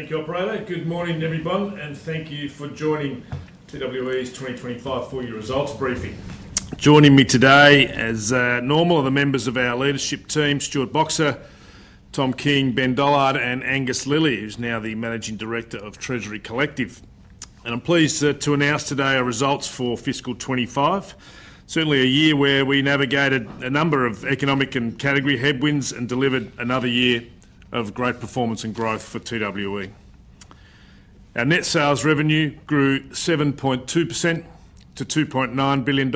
Thank you, Operator. Good morning, everyone, and thank you for joining TWE's 2025 full year results briefing. Joining me today as normal are the members of our leadership team – Stuart Boxer, Tom King, Ben Dollard, and Angus Lilley, who's now the Managing Director of Treasury Collective. I'm pleased to announce today our results for fiscal 2025, certainly a year where we navigated a number of economic and category headwinds and delivered another year of great performance and growth for TWE. Our net sales revenue grew 7.2% to $2.9 billion, and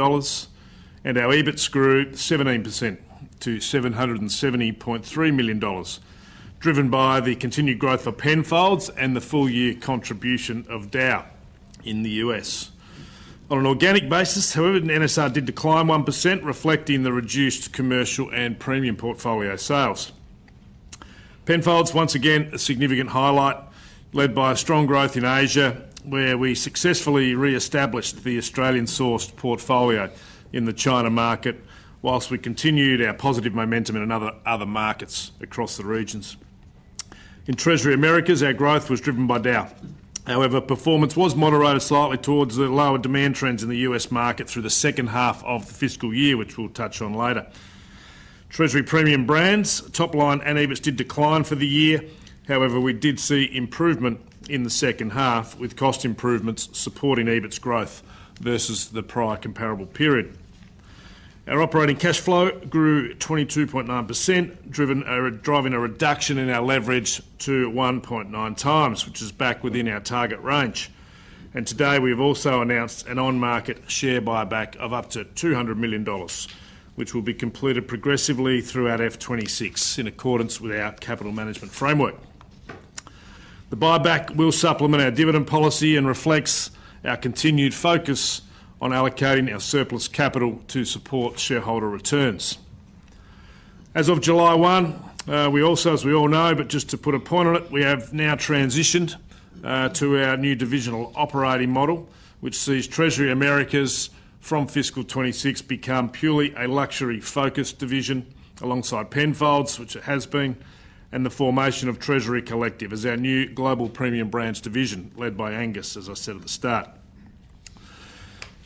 our EBITs grew 17% to $770.3 million, driven by the continued growth of Penfolds and the full year contribution of DAOU in the U.S. on an organic basis. However, NSR did decline 1%, reflecting the reduced commercial and premium portfolio sales. Penfolds was once again a significant highlight, led by strong growth in Asia, where we successfully re-established the Australian sourced portfolio in the China market, while we continued our positive momentum in other markets across the regions. In Treasury Americas, our growth was driven by DAOU. However, performance was moderated slightly towards the lower demand trends in the U.S. market through the second half of the fiscal year, which we'll touch on later. Treasury Premium Brands' top line and EBITDA did decline for the year; however, we did see improvement in the second half, with cost improvements supporting EBIT's growth versus the prior comparable period. Our operating cash flow grew 22.9%, driving a reduction in our leverage to 1.9 times, which is back within our target range. Today, we have also announced an on-market share buyback of up to $200 million, which will be completed progressively throughout F26 in accordance with our Capital Management Framework. The buyback will supplement our dividend policy and reflects our continued focus on allocating our surplus capital to support shareholder returns as of July 1. We also, as we all know, but just to put a point on it, have now transitioned to our new divisional operating model, which sees Treasury Americas from fiscal 2026 become purely a luxury-focused division alongside Penfolds, which it has been, and the formation of Treasury Collective as our new Global Premium Brands Division led by Angus. As I said at the start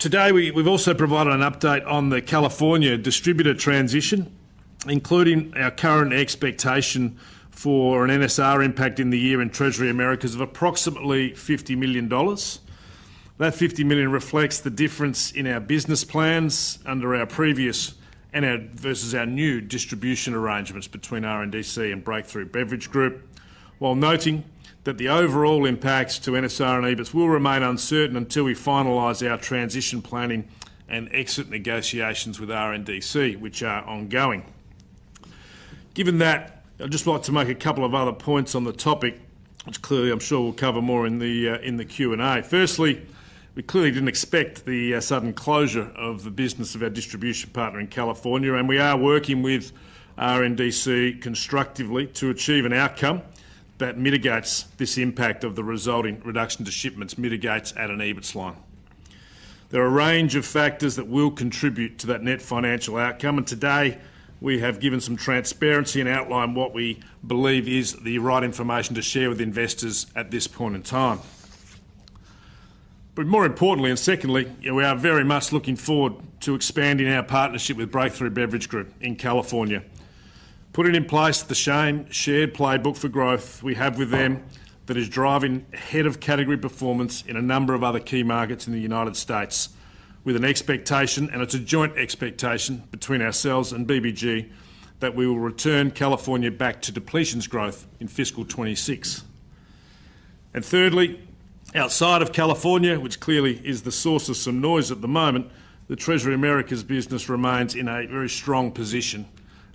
today, we've also provided an update on the California distributor transition, including our current expectation for an NSR impact in the year in Treasury Americas of approximately $50 million. That $50 million reflects the difference in our business plans under our previous versus our new distribution arrangements between RNDC and Breakthru Beverage Group. While noting that the overall impacts to NSR and EBIT will remain uncertain until we finalize our transition planning and exit negotiations with RNDC, which are ongoing. Given that, I'd just like to make a couple of other points on the topic which clearly I'm sure we'll cover more in the Q and A. Firstly, we clearly didn't expect the sudden closure of the business of our distribution partner in California and we are working with RNDC constructively to achieve an outcome that mitigates this impact of the resulting reduction to shipments, mitigates at an EBIT slot. There are a range of factors that will contribute to that net financial outcome and today we have given some transparency and outlined what we believe is the right information to share with investors at this point in, but more importantly and secondly, we are very much looking forward to expanding our partnership with Breakthru Beverage Group in California, putting in place the shared playbook for growth we have with them that is driving ahead of category performance in a number of other key markets in the U.S. with an expectation, and it's a joint expectation between ourselves and Breakthru Beverage Group, that we will return California back to depletions growth in fiscal 2026. Thirdly, outside of California, which clearly is the source of some noise at the moment, the Treasury Americas business remains in a very strong position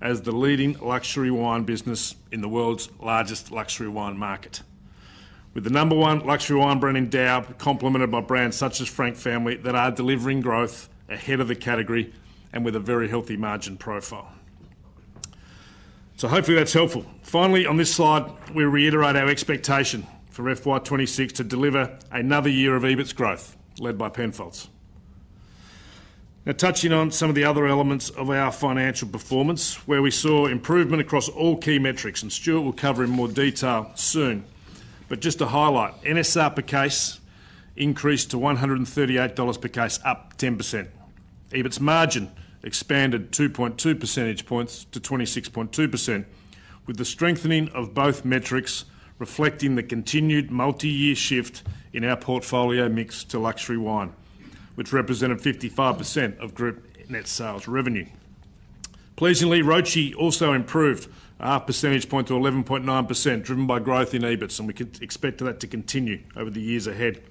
as the leading luxury wine business in the world's largest luxury wine market with the number one luxury wine brand in DAOU, complemented by brands such as Frank Family that are delivering growth ahead of the category and with a very healthy margin profile. Hopefully that's helpful. Finally, on this slide we reiterate our expectation for FY2026 to deliver another year of EBIT growth led by Penfolds. Now touching on some of the other elements of our financial performance where we saw improvement across all key metrics and Stuart will cover in more detail soon. Just to highlight, NSR per case increased to $138 per case, up 10%. EBIT margin expanded 2.2 percentage points to 26.2% with the strengthening of both metrics reflecting the continued multi-year shift in our portfolio mix to luxury wine which represented 55% of group net sales revenue. Pleasingly, ROCE also improved a percentage point to 11.9% driven by growth in EBIT and we expect that to continue over the years ahead.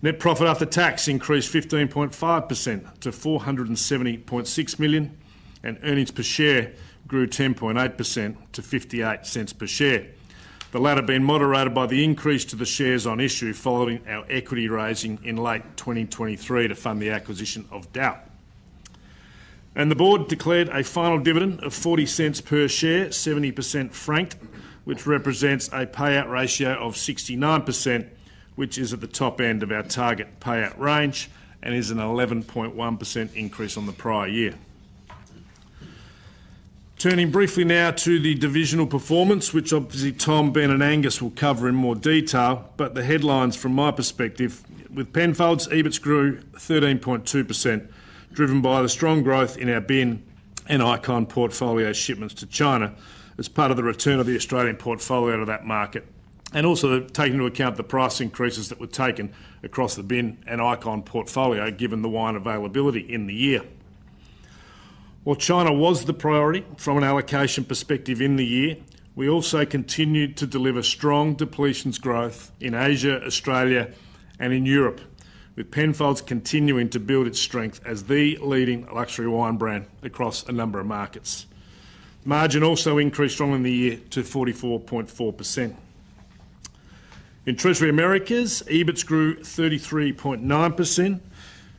Net profit after tax increased 15.5% to $470.6 million and earnings per share grew 10.8% to $0.58 per share, the latter being moderated by the increase to the shares on issue following our equity raising in late 2023 to fund the acquisition of DAOU and the Board declared a final dividend of $0.40 per share 70% franked, which represents a payout ratio of 69% which is at the top end of our target payout range and is an 11.1% increase on the prior year. Turning briefly now to the divisional performance, which obviously Tom, Ben, and Angus will cover in more detail, the headlines from my perspective with Penfolds, EBIT grew 13.2% driven by the strong growth in our Bin and Icon portfolio shipments to China as part of the return of the Australian portfolio to that market and also take into account the price increases that were taken across the Bin and Icon portfolio given the wine availability in the year. While China was the priority from an allocation perspective in the year, we also continued to deliver strong depletions growth in Asia, Australia, and in Europe, with Penfolds continuing to build its strength as the leading luxury wine brand across a number of markets. Margin also increased strongly in the year to 44.4%. In Treasury Americas, EBIT grew 33.9%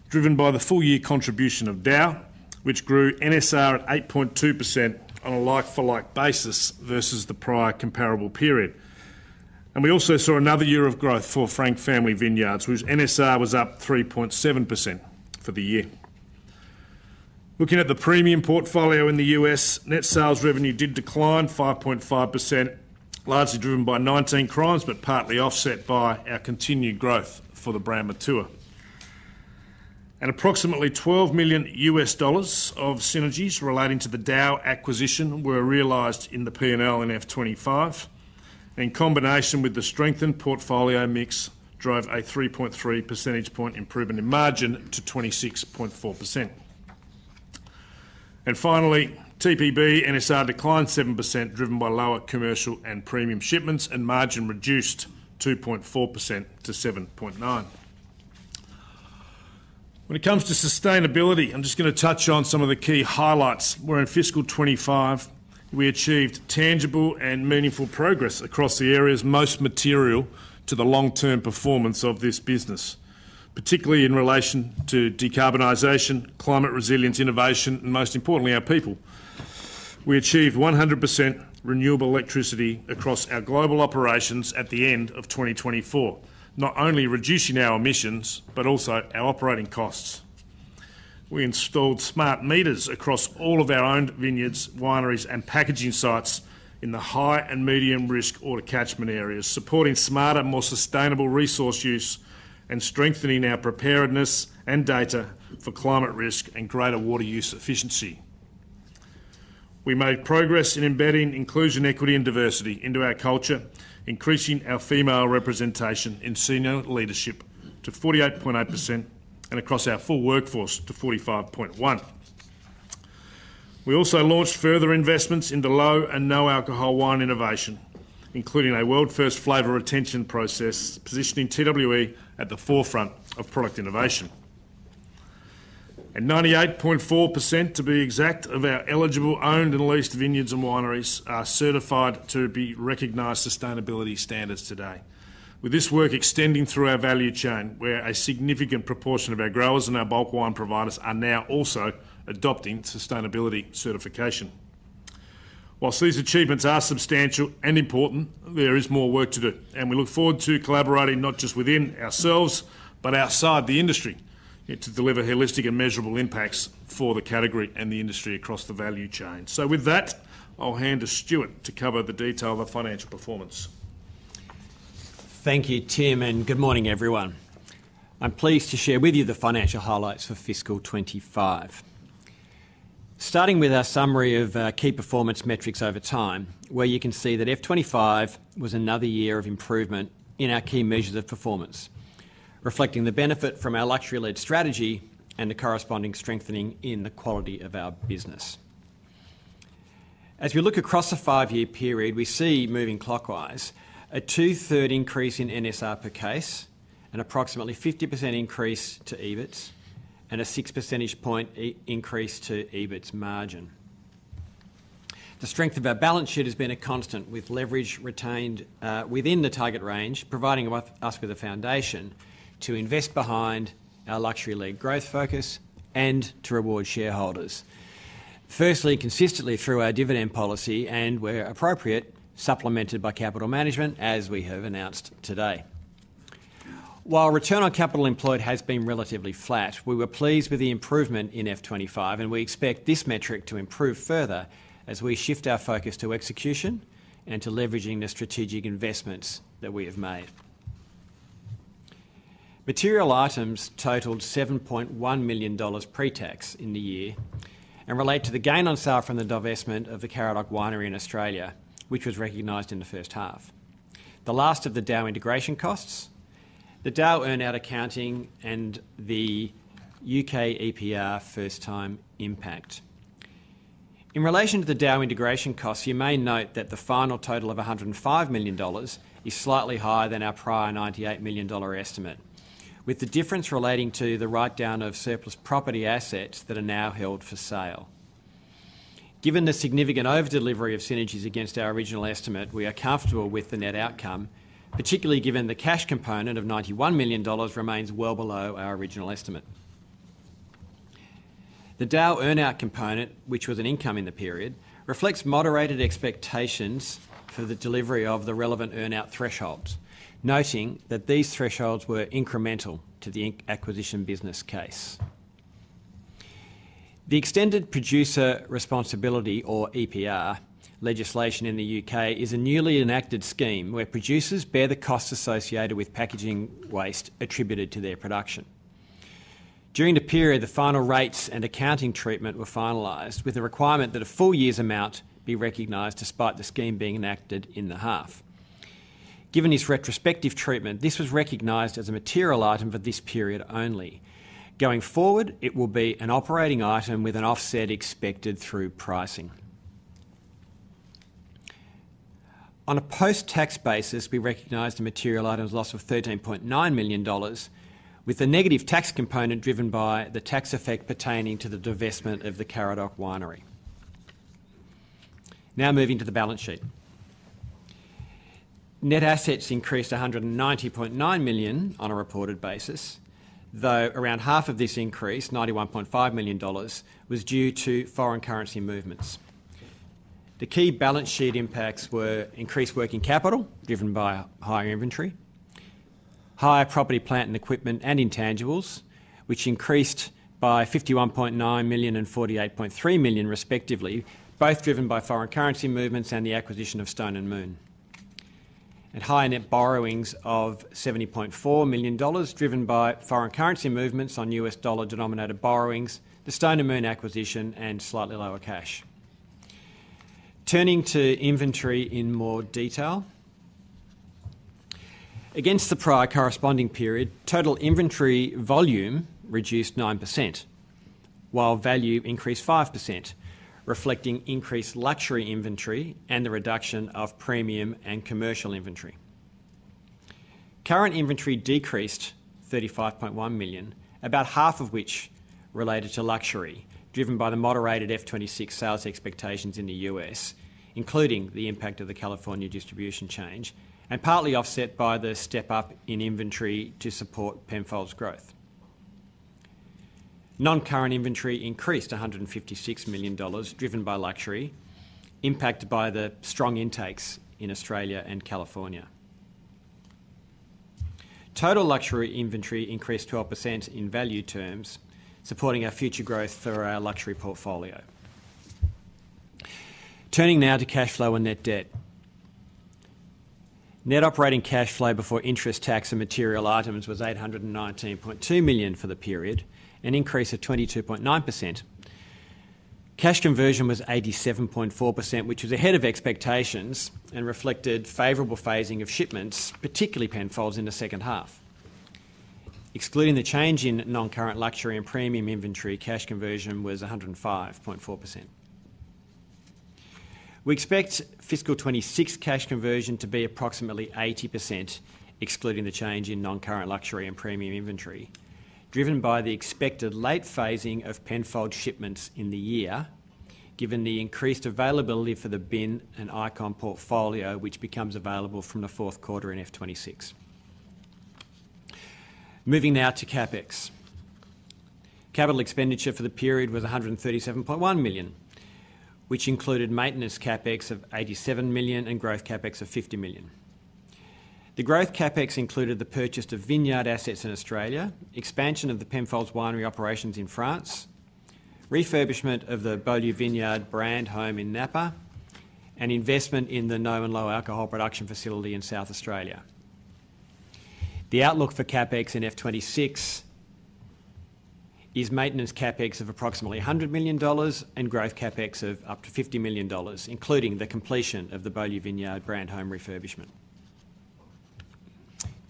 driven by the full year contribution of DAOU, which grew NSR at 8.2% on a like-for-like basis versus the prior comparable period. We also saw another year of growth for Frank Family Vineyards, whose NSR was up 3.7% for the year. Looking at the premium portfolio in the U.S., net sales revenue did decline 5.5%, largely driven by 19 Crimes but partly offset by our continued growth for the brand Matua, and approximately $12 million of synergies relating to the DAOU acquisition were realized in the P&L in FY25. In combination with the strengthened portfolio mix, this drove a 3.3 percentage point improvement in margin to 26.4%. Finally, Treasury Collective NSR declined 7% driven by lower commercial and premium shipments and margin reduced 2.4% to 7.9%. When it comes to sustainability, I'm just going to touch on some of the key highlights where in fiscal 2025 we achieved tangible and meaningful progress across the areas most material to the long-term performance of this business, particularly in relation to decarbonization, climate resilience, innovation, and most importantly our people. We achieved 100% renewable electricity across our global operations at the end of 2024, not only reducing our emissions but also our operating costs. We installed smart meters across all of our owned vineyards, wineries, and packaging sites in the high and medium risk or catchment areas, supporting smarter, more sustainable resource use and strengthening our preparedness and data for climate risk and greater water use efficiency. We made progress in embedding inclusion, equity, and diversity into our culture, increasing our female representation in senior leadership to 48.8% and across our full workforce to 45.1%. We also launched further investments into low and no alcohol wine innovation, including a world first flavor retention process, positioning TWE at the forefront of product innovation, and 98.4%, to be exact, of our eligible owned and leased vineyards and wineries are certified to recognized sustainability standards today, with this work extending through our value chain where a significant proportion of our growers and our bulk wine providers are now also adopting sustainability certification. Whilst these achievements are substantial and important, there is more work to do and we look forward to collaborating not just within ourselves but outside the industry to deliver holistic and measurable impacts for the category and the industry across the value chain. With that, I'll hand to Stuart to cover the detail of our financial performance. Thank you Tim and good morning everyone. I'm pleased to share with you the financial highlights for fiscal 2025, starting with our summary of key performance metrics over time, where you can see that fiscal 2025 was another year of improvement in our key measures of performance, reflecting the benefit from our luxury-led strategy and the corresponding strengthening in the quality of our business. As we look across the five-year period, we see moving clockwise a 2/3 increase in NSR per case, an approximately 50% increase to EBIT, and a 6% increase to EBIT margin. The strength of our balance sheet has been a constant, with leverage retained within the target range, providing us with a foundation to invest behind our luxury-led growth focus and to reward shareholders, firstly consistently through our dividend policy and, where appropriate, supplemented by capital management as we have announced today. While return on capital employed has been relatively flat, we were pleased with the improvement in fiscal 2025, and we expect this metric to improve further as we shift our focus to execution and to leveraging the strategic investments that we have made. Material items totaled $7.1 million pre-tax in the year and relate to the gain on sale from the divestment of the Caradoc Winery in Australia, which was recognized in the first half, the last of the DAOU integration costs, the DAOU earnout accounting, and the U.K. EPR first-time impact in relation to the DAOU integration costs. You may note that the final total of $105 million is slightly higher than our prior $98 million estimate, with the difference relating to the write-down of surplus property assets that are now held for sale. Given the significant over-delivery of synergies against our original estimate, we are comfortable with the net outcome, particularly given the cash component of $91 million remains well below our original estimate. The DAOU earnout component, which was an income in the period, reflects moderated expectations for the delivery of the relevant earnout thresholds, noting that these thresholds were incremental to the Inc Acquisition business case. The Extended Producer Responsibility, or EPR, legislation in the U.K. is a newly enacted scheme where producers bear the costs associated with packaging waste attributed to their production during the period. The final rates and accounting treatment were finalized with the requirement that a full year's amount be recognized despite the scheme being enacted in the half. Given this retrospective treatment, this was recognized as a material item for this period only. Going forward, it will be an operating item with an offset expected through pricing on a post-tax basis. We recognized a material items loss of $13.9 million with the negative tax component driven by the tax effect pertaining to the divestment of the Caradoc Winery. Now moving to the balance sheet, net assets increased $190.9 million on a reported basis, though around half of this increase, $91.5 million, was due to foreign currency movements. The key balance sheet impacts were increased working capital driven by higher inventory, higher property, plant and equipment, and intangibles which increased by $51.9 million and $48.3 million respectively, both driven by foreign currency movements and the acquisition of Stone and Moon, and higher net borrowings of $70.4 million driven by foreign currency movements on U.S. dollar denominated borrowings, the Stone and Moon acquisition, and slightly lower cash. Turning to inventory in more detail. Against. The prior corresponding period, total inventory volume reduced 9% while value increased 5%, reflecting increased luxury inventory and the reduction of premium and commercial inventory. Current inventory decreased $35.1 million, about half of which related to luxury, driven by the moderated F26 sales expectations in the U.S., including the impact of the California distribution change and partly offset by the step up in inventory to support Penfolds' growth. Non-current inventory increased $156 million, driven by luxury, impacted by the strong intakes in Australia and California. Total luxury inventory increased 12% in value terms, supporting our future growth for our luxury portfolio. Turning now to cash flow and net. Debt. Net operating cash flow before interest, tax and material items was $819.2 million for the period, an increase of 22.9%. Cash conversion was 87.4%, which was ahead of expectations and reflected favorable phasing of shipments, particularly Penfolds in the second half. Excluding the change in non-current luxury and premium inventory, cash conversion was 105.4%. We expect fiscal 2026 cash conversion to be approximately 80%, excluding the change in non-current luxury and premium inventory, driven by the expected late phasing of Penfolds shipments in the year, given the increased availability for the Bin and Icon portfolio which becomes available from the fourth quarter in fiscal 2026. Moving now to CapEx, capital expenditure for the period was $137.1 million, which included maintenance CapEx of $87 million and growth CapEx of $50 million. The growth CapEx included the purchase of vineyard assets in Australia, expansion of the Penfolds winery operations in France, refurbishment of the Beaulieu Vineyard brand home in Napa, and investment in the Nomenlo alcohol production facility in South Australia. The outlook for CapEx in fiscal 2026 is maintenance CapEx of approximately $100 million and growth CapEx of up to $50 million, including the completion of the Beaulieu Vineyard brand home refurbishment.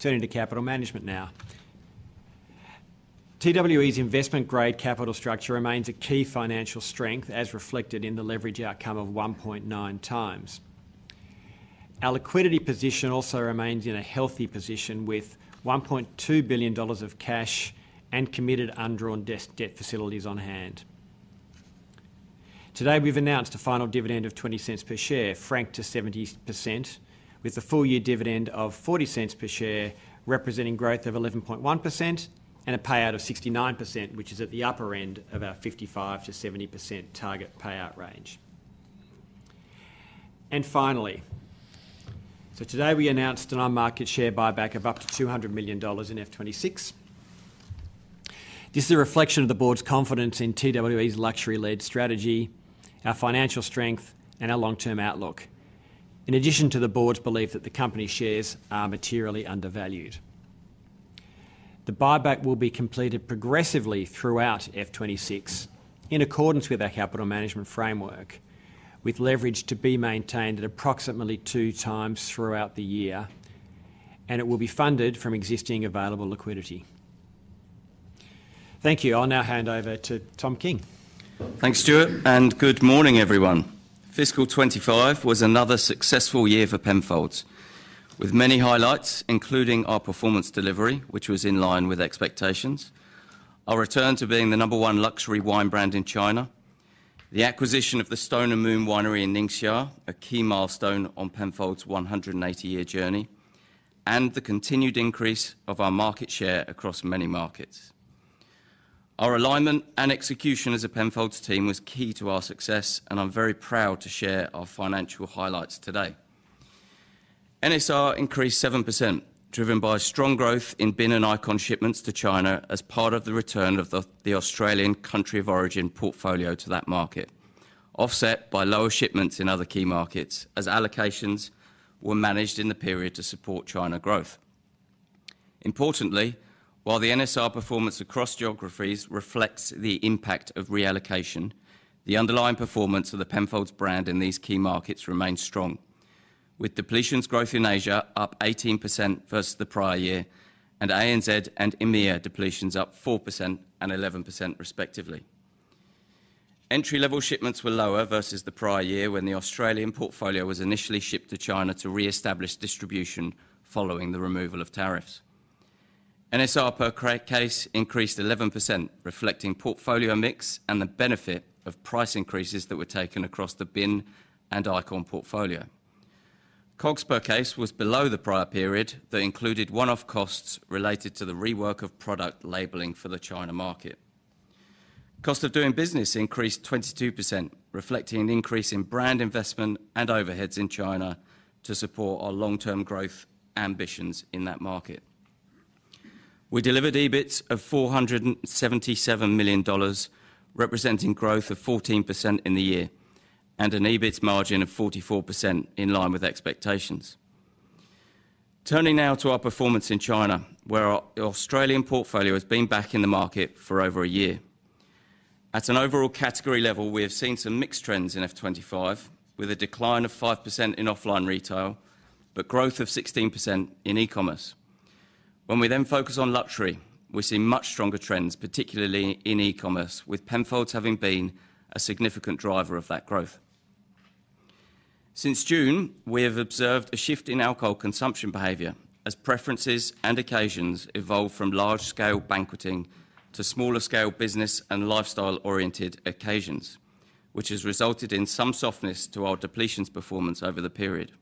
Turning to Capital Management now, TWE's investment grade capital structure remains a key financial strength as reflected in the leverage outcome of 1.9x. Our liquidity position also remains in a healthy position with $1.2 billion of cash and committed undrawn debt facilities on hand. Today we've announced a final dividend of $0.20 per share franked to 70%, with a full year dividend of $0.40 per share representing growth of 11.1% and a payout of 69%, which is at the upper end of our 55%-70% target payout range. Today we announced an on-market share buyback of up to $200 million in fiscal 2026. This is a reflection of the Board's confidence in TWE' luxury-led strategy, our financial strength, and our long-term outlook, in addition to the Board's belief that the company shares are materially undervalued. The buyback will be completed progressively throughout fiscal 2026 in accordance with our capital management framework, with leverage to be maintained at approximately two times throughout the year, and it will be funded from existing available liquidity. Thank you. I'll now hand over to Tom King. Thanks, Stuart and good morning everyone. Fiscal 2025 was another successful year for Penfolds with many highlights, including our performance delivery which was in line with expectations, our return to being the number one luxury wine brand in China, the acquisition of the Stone and Moon Winery in Ningxia, a key milestone on Penfolds' 180-year journey, and the continued increase of our market share across many markets. Our alignment and execution as a Penfolds team was key to our success, and I'm very proud to share our financial highlights today. NSR increased 7% driven by strong growth in Bin and Icon shipments to China as part of the return of the Australian country of origin portfolio to that market, offset by lower shipments in other key markets as allocations were managed in the period to support China growth. Importantly, while the NSR performance across geographies reflects the impact of reallocation, the underlying performance of the Penfolds brand in these key markets remains strong, with depletions growth in Asia up 18% versus the prior year and ANZ and EMEA depletions up 4% and 11% respectively. Entry level shipments were lower versus the prior year when the Australian portfolio was initially shipped to China to re-establish distribution following the removal of tariffs. NSR per case increased 11%, reflecting portfolio mix and the benefit of price increases that were taken across the Bin and Icon portfolio. COGS per case was below the prior period that included one-off costs related to the rework of product labeling for the China market. Cost of doing business increased 22%, reflecting an increase in brand investment and overheads in China. To support our long-term growth ambitions in that market, we delivered EBIT of $477 million, representing growth of 14% in the year and an EBIT margin of 44% in line with expectations. Turning now to our performance in China, where our Australian portfolio has been back in the market for over a year. At an overall category level, we have seen some mixed trends in F 2025 with a decline of 5% in offline retail but growth of 16% in e-commerce. When we then focus on luxury, we see much stronger trends, particularly in e-commerce, with Penfolds having been a significant driver of that growth. Since June we have observed a shift in alcohol consumption behavior as preferences and occasions evolve from large-scale banqueting to smaller-scale business and lifestyle-oriented occasions, which has resulted in some softness to our depletions performance over the period.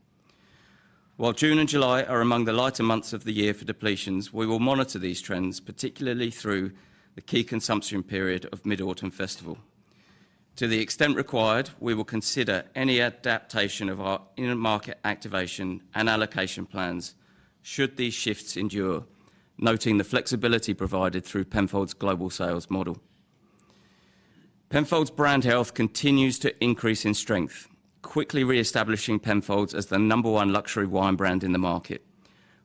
While June and July are among the lighter months of the year for depletions, we will monitor these trends, particularly through the key consumption period of Mid-Autumn Festival. To the extent required, we will consider any adaptation of our in-market activation and allocation plans should these shifts endure, noting the flexibility provided through Penfolds' global sales model. Penfolds brand health continues to increase in strength, quickly re-establishing Penfolds as the number one luxury wine brand in the market.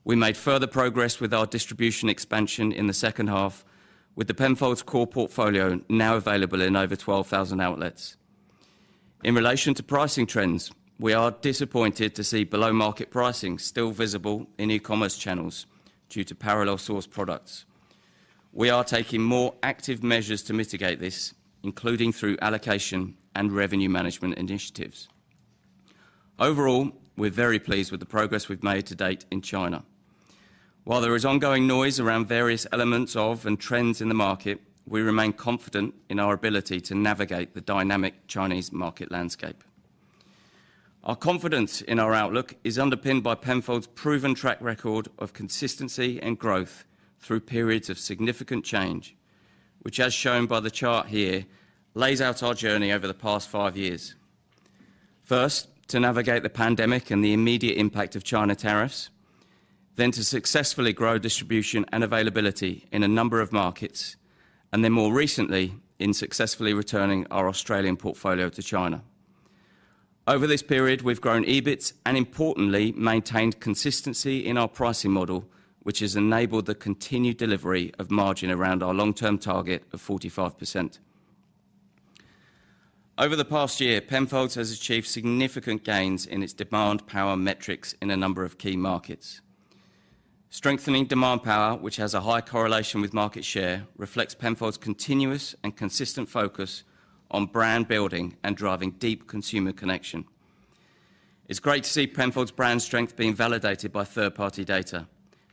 We made further progress with our distribution expansion in the second half, with the Penfolds core portfolio now available in over 12,000 outlets. In relation to pricing trends, we are disappointed to see below-market pricing still visible in e-commerce channels due to parallel source products. We are taking more active measures to mitigate this, including through allocation and revenue management initiatives. Overall, we're very pleased with the progress we've made to date in China. While there is ongoing noise around various elements of and trends in the market, we remain confident in our ability to navigate the dynamic Chinese market landscape. Our confidence in our outlook is underpinned by Penfolds' proven track record of consistency and growth through periods of significant change, which, as shown by the chart here, lays out our journey over the past five years. First to navigate the pandemic and the immediate impact of China tariffs, then to successfully grow distribution and availability in a number of markets, and then more recently in successfully returning our Australian portfolio to China. Over this period we've grown EBIT and importantly maintained consistency in our pricing model, which has enabled the continued delivery of margin around our long-term target of 45%. Over the past year, Penfolds has achieved significant gains in its demand power metrics in a number of key markets. Strengthening demand power, which has a high correlation with market share, reflects Penfolds' continuous and consistent focus on brand building and driving deep consumer connection. It's great to see Penfolds' brand strength being validated by third-party data.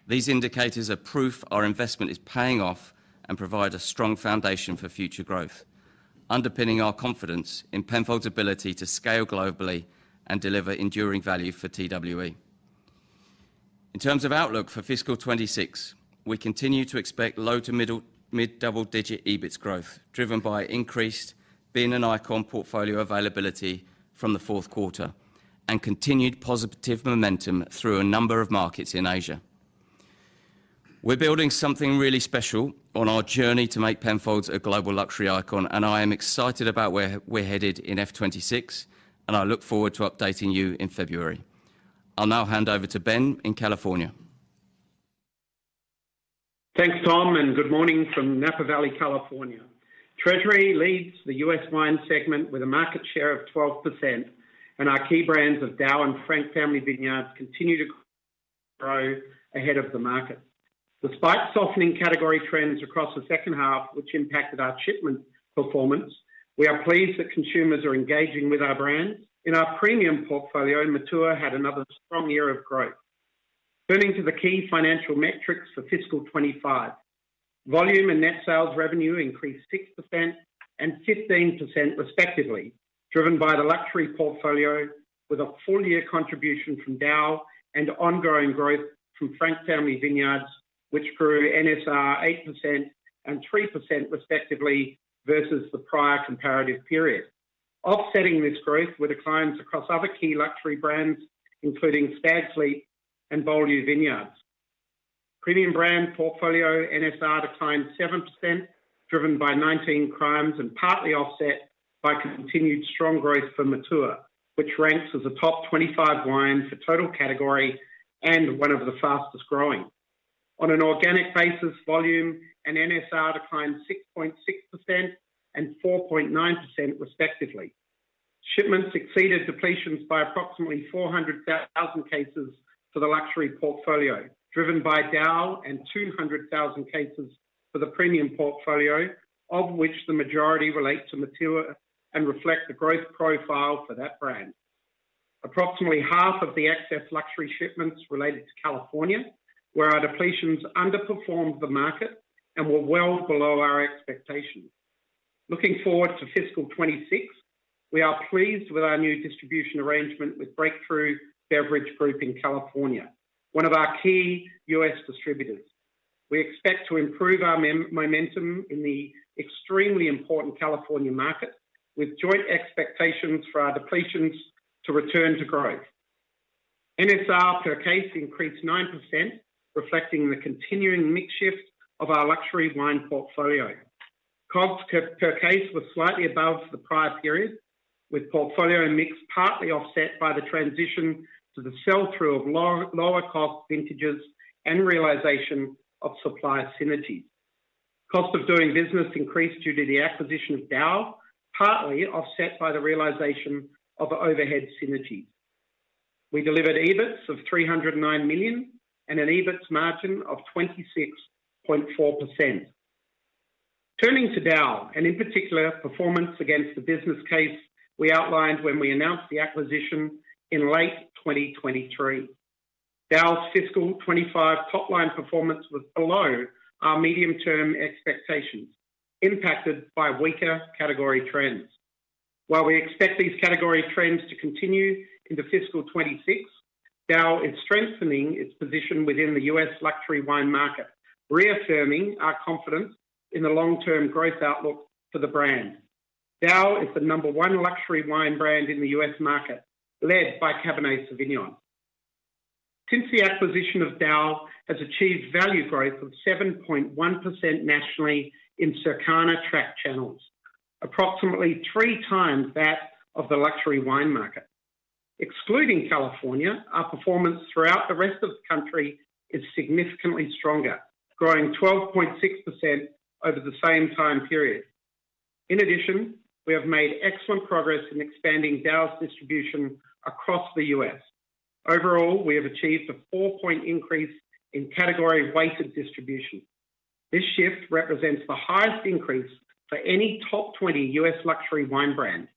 These indicators are proof our investment is paying off and provide a strong foundation for future growth, underpinning our confidence in Penfolds' ability to scale globally and deliver enduring value for TWE. In terms of outlook for fiscal 2026, we continue to expect low to mid double-digit EBIT growth driven by increased Penfolds and icon portfolio availability from the fourth quarter and continued positive momentum through a number of markets in Asia. We're building something really special on our journey to make Penfolds a global luxury icon, and I am excited about where we're headed in fiscal 2026. I look forward to updating you in February. I'll now hand over to Ben in California. Thanks, Tom and good morning from Napa Valley, California. Treasury leads the U.S. wine segment with a market share of 12% and our key brands of DAOU and Frank Family Vineyards continue to grow ahead of the market despite softening category trends across the second half which impacted our shipment performance. We are pleased that consumers are engaging with our brand in our premium portfolio. Matua had another strong year of growth. Turning to the key financial metrics for fiscal 2025, volume and net sales revenue increased 6% and 15% respectively, driven by the Luxury Portfolio with a full year contribution from DAOU and ongoing growth from Frank Family Vineyards which grew NSR 8% and 3% respectively versus the prior comparative period. Offsetting this growth were declines across other key luxury brands including Stags' Leap and Beaulieu Vineyards. Premium brand portfolio NSR declined 7% driven by 19 Crimes and partly offset by continued strong growth for Matua which ranks as a top 25 wine for total category and one of the fastest growing on an organic basis. Volume and NSR declined 6.6% and 4.9% respectively. Shipments exceeded depletions by approximately 400,000 cases for the Luxury Portfolio driven by DAOU and 200,000 cases for the Premium Portfolio of which the majority relates to Matua and reflect the growth profile for that brand. Approximately half of the excess luxury shipments related to California where our depletions underperformed the market and were well below our expectations. Looking forward to fiscal 2026, we are pleased with our new distribution arrangement with Breakthru Beverage Group in California, one of our key U.S. distributors. We expect to improve our momentum in the extremely important California market with joint expectations for our depletions to return to growth. NSR per case increased 9% reflecting the continuing mix shift of our luxury wine portfolio. COGS per case was slightly above the prior period with portfolio mix partly offset by the transition to the sell through of lower cost vintages and realization of supply synergies. Cost of doing business increased due to the acquisition of DAOU, partly offset by the realization of overhead synergy. We delivered EBIT of $309 million and an EBIT margin of 26.4%. Turning to DAOU and in particular performance against the business case we outlined when we announced the acquisition in late 2023, DAOU's fiscal 2025 top line performance was below our medium term expectations, impacted by weaker category trends. While we expect these category trends to continue into fiscal 2026, DAOU is strengthening its position within the U.S. luxury wine market, reaffirming our confidence in the long term growth outlook for the brand. DAOU is the number one luxury wine brand in the U.S. market led by Cabernet Sauvignon. Since the acquisition, DAOU has achieved value growth of 7.1% nationally in Circana tracked channels, approximately three times that of the luxury wine market excluding California. Our performance throughout the rest of California country is significantly stronger, growing 12.6% over the same time period. In addition, we have made excellent progress in expanding DAOU's distribution across the U.S. Overall, we have achieved a 4 point increase in category weighted distribution. This shift represents the highest increase for any top 20 U.S. luxury wine brand.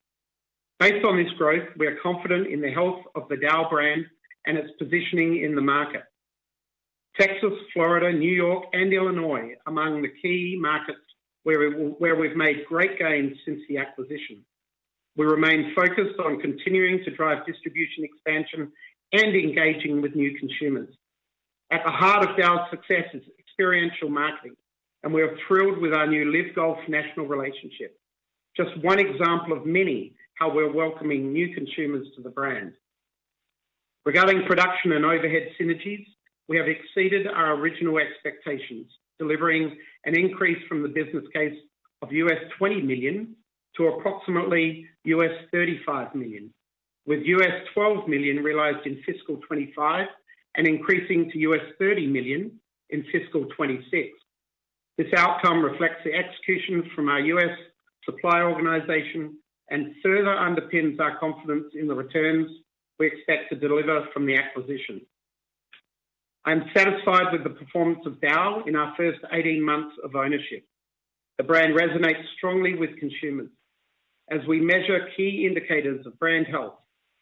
Based on this growth, we are confident in the health of the DAOU brand and its positioning in the market. Texas, Florida, New York, and Illinois are among the key markets where we've made great gains since the acquisition. We remain focused on continuing to drive distribution expansion and engaging with new consumers. At the heart of DAOU's success is experiential marketing and we are thrilled with our new LIV Golf national relationship, just one example of many how we're welcoming new consumers to the brand. Regarding production and overhead synergies, we have exceeded our original expectations, delivering an increase from the business case of $20 million to approximately $35 million, with $12 million realized in fiscal 2025 and increasing to $30 million in fiscal 2026. This outcome reflects the execution from our U.S. supplier organization and further underpins our confidence in the returns we expect to deliver from the acquisition. I am satisfied with the performance of DAOU in our first 18 months of ownership. The brand resonates strongly with consumers as we measure key indicators of brand health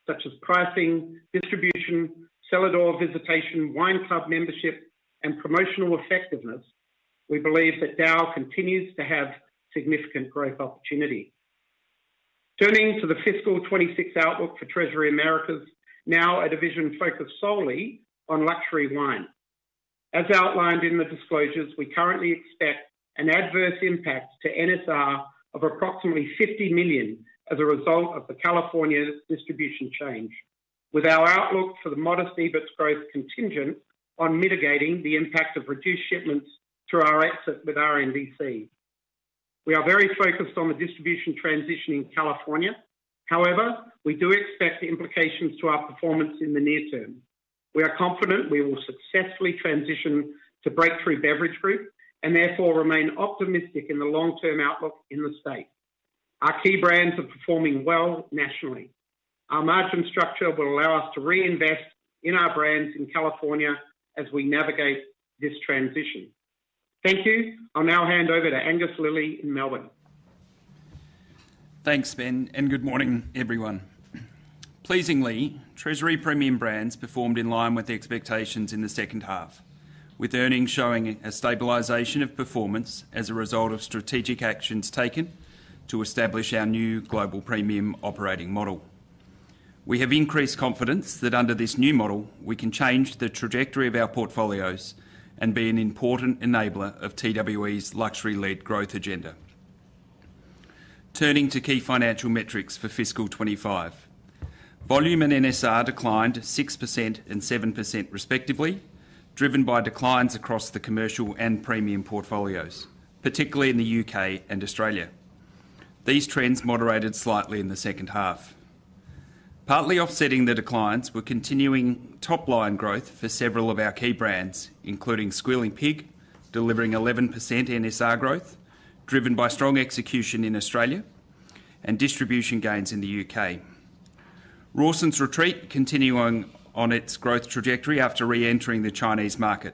such as pricing, distribution, cellar door visitation, wine club membership, and promotional effectiveness. We believe that DAOU continues to have significant growth opportunity. Turning to the fiscal 2026 outlook for Treasury Americas, now a division focused solely on luxury wine as outlined in the disclosures, we currently expect an adverse impact to NSR of approximately $50 million as a result of the California distribution change. With our outlook for the modest EBIT growth contingent on mitigating the impact of reduced shipments through our exit with RNDC, we are very focused on the distribution transition in California. However, we do expect implications to our performance in the near term. We are confident we will successfully transition to Breakthru Beverage Group and therefore remain optimistic in the long term. Outlook in the state, our key brands are performing well nationally. Our margin structure will allow us to reinvest in our brands in California as we navigate this transition. Thank you. I'll now hand over to Angus Lilley in Melbourne. Thanks Ben and good morning everyone. Pleasingly, Treasury Premium Brands performed in line with expectations in the second half with earnings showing a stabilization of performance as a result of strategic actions taken to establish our new global premium operating model. We have increased confidence that under this new model we can change the trajectory of our portfolios and be an important enabler of TWE's luxury-led growth agenda. Turning to key financial metrics for fiscal 2025, volume and NSR declined 6% and 7% respectively, driven by declines across the commercial and premium portfolios, particularly in the U.K. and Australia. These trends moderated slightly in the second half. Partly offsetting the declines were continuing top-line growth for several of our key brands, including Squealing Pig delivering 11% NSR growth driven by strong execution in Australia and distribution gains in the U.K. Rawson's Retreat continuing on its growth trajectory after re-entering the Chinese market.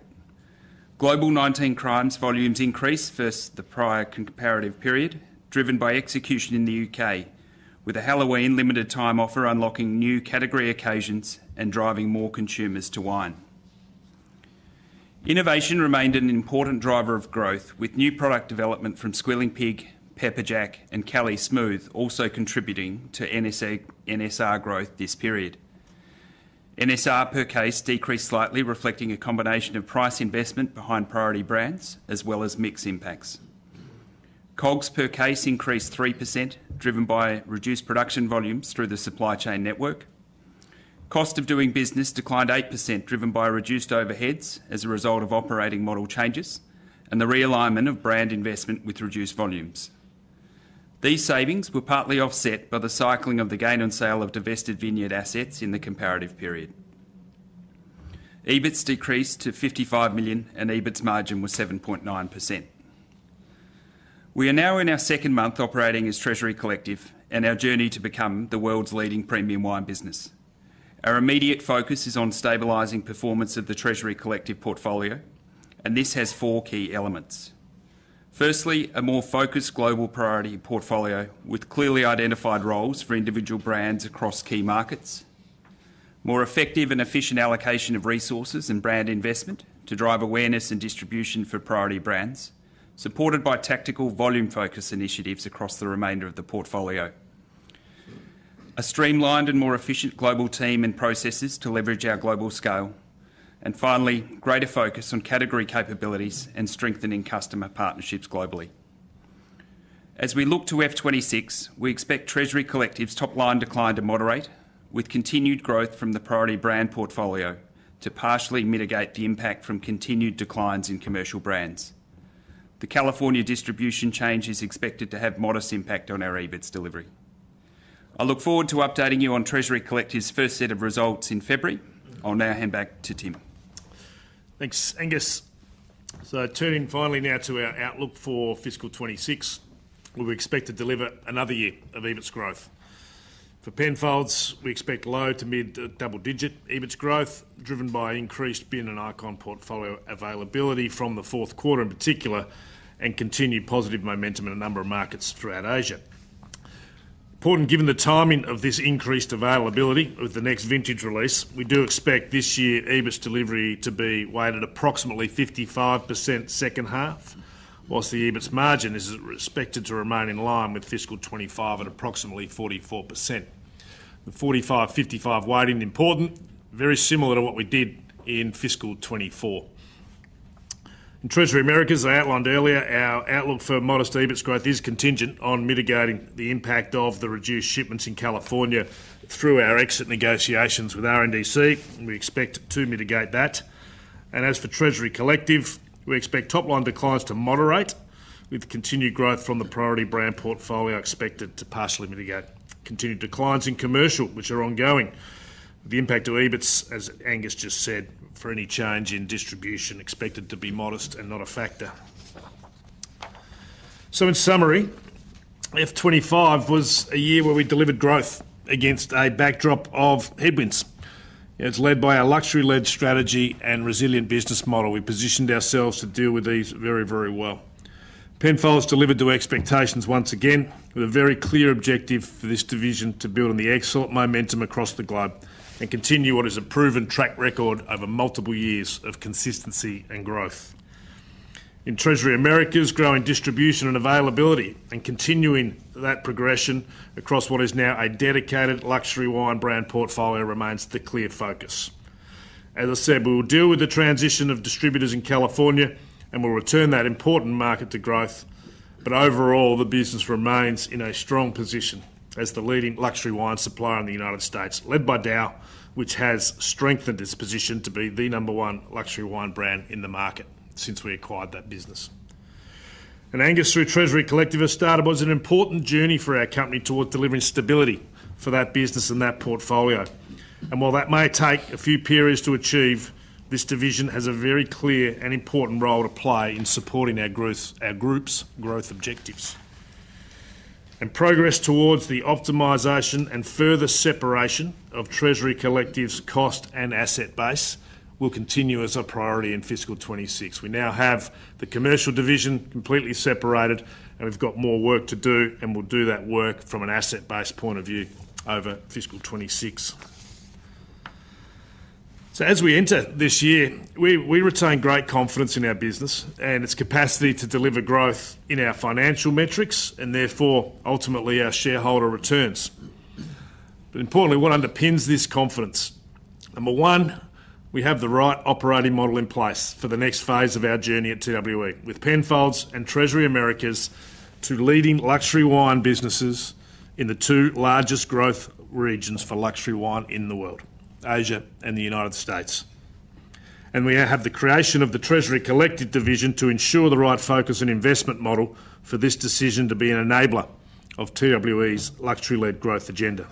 Global 19 Crimes volumes increased versus the prior comparative period, driven by execution in the U.K. with a Halloween limited time offer unlocking new category occasions and driving more consumers to wine. Innovation remained an important driver of growth with new product development from Squealing Pig, Pepper Jack, and Cali Smooth also contributing to NSR growth this period. NSR per case decreased slightly, reflecting a combination of price investment behind priority brands as well as mix impacts. COGS per case increased 3% driven by reduced production volumes through the supply chain network. Cost of doing business declined 8% driven by reduced overheads as a result of operating model changes and the realignment of brand investment with reduced volumes. These savings were partly offset by the cycling of the gain on sale of divested vineyard assets in the comparative period. EBITs decreased to $55 million and EBIT margin was 7.9%. We are now in our second month operating as Treasury Collective and our journey to become the world's leading premium wine business. Our immediate focus is on stabilizing performance of the Treasury Collective portfolio and this has four key elements. Firstly, a more focused global priority portfolio with clearly identified roles for individual brands across key markets, more effective and efficient allocation of resources and brand investment to drive awareness and distribution for priority brands supported by tactical volume focus initiatives across the remainder of the portfolio, a streamlined and more efficient global team and processes to leverage our global scale, and finally greater focus on category capabilities and strengthening customer partnerships globally. As we look to fiscal 2026, we expect Treasury Collective's top-line decline to moderate with continued growth from the priority brand portfolio to partially mitigate the impact from continued declines in commercial brands. The California distribution change is expected to have modest impact on our EBITs delivery. I look forward to updating you on Treasury Collective's first set of results in February. I'll now hand back to Tim. Thanks, Angus. Turning finally now to our outlook for fiscal 2026. We expect to deliver another year of EBIT growth for Penfolds. We expect low to mid double-digit EBIT growth driven by increased BIN and ICON portfolio availability from the fourth quarter in particular and continued positive momentum in a number of markets throughout Asia. This is important given the timing of this increased availability with the next vintage release. We do expect this year's EBIT delivery to be weighted approximately 55% to the second half, while the EBIT margin is expected to remain in line with fiscal 2025 at approximately 44%. The 45/55 weighting is important, very similar to what we did in fiscal 2024. For Treasury Americas, as I outlined earlier, our outlook for modest EBIT growth is contingent on mitigating the impact of the reduced shipments in California through our exit negotiations with RNDC, and we expect to mitigate that. As for Treasury Collective, we expect top-line declines to moderate with continued growth from the priority brand portfolio expected to partially mitigate continued declines in commercial, which are ongoing. The impact to EBIT, as Angus just said, for any change in distribution is expected to be modest and not a factor. In summary, fiscal 2025 was a year where we delivered growth against a backdrop of headwinds, and it's led by a luxury-led strategy and resilient business model. We positioned ourselves to deal with these very, very well. Penfolds has delivered to expectations once again with a very clear objective for this division to build on the excellent momentum across the globe and continue what is a proven track record over multiple years of consistency and growth. In Treasury Americas, growing distribution and availability and continuing that progression across what is now a dedicated luxury wine brand portfolio remains the clear focus. As I said, we will deal with the transition of distributors in California and we'll return that important market to growth. Overall, the business remains in a strong position as the leading luxury wine supplier in the U.S., led by DAOU, which has strengthened its position to be the number one luxury wine brand in the market since we acquired that business. Angus, through Treasury Collective, has started what is an important journey for our company towards delivering stability for that business and that portfolio. While that may take a few periods to achieve, this division has a very clear and important role to play in supporting our group's growth objectives, and progress towards the optimization and further separation of Treasury Collective's cost and asset base will continue as a priority in fiscal 2026. We now have the commercial division completely separated, and we've got more work to do, and we'll do that work from an asset-based point of view over fiscal 2026. As we enter this year, we retain great confidence in our business and its capacity to deliver growth in our financial metrics and therefore ultimately our shareholder returns. Importantly, what underpins this confidence? Number one, we have the right operating model in place for the next phase of our journey at TWE, with Penfolds and Treasury Americas, two leading luxury wine businesses in the two largest growth regions for luxury wine in the world, Asia and the U.S. We have the creation of the Treasury Collective division to ensure the right focus and investment model for this division to be an enabler of TWE's luxury-led growth agenda.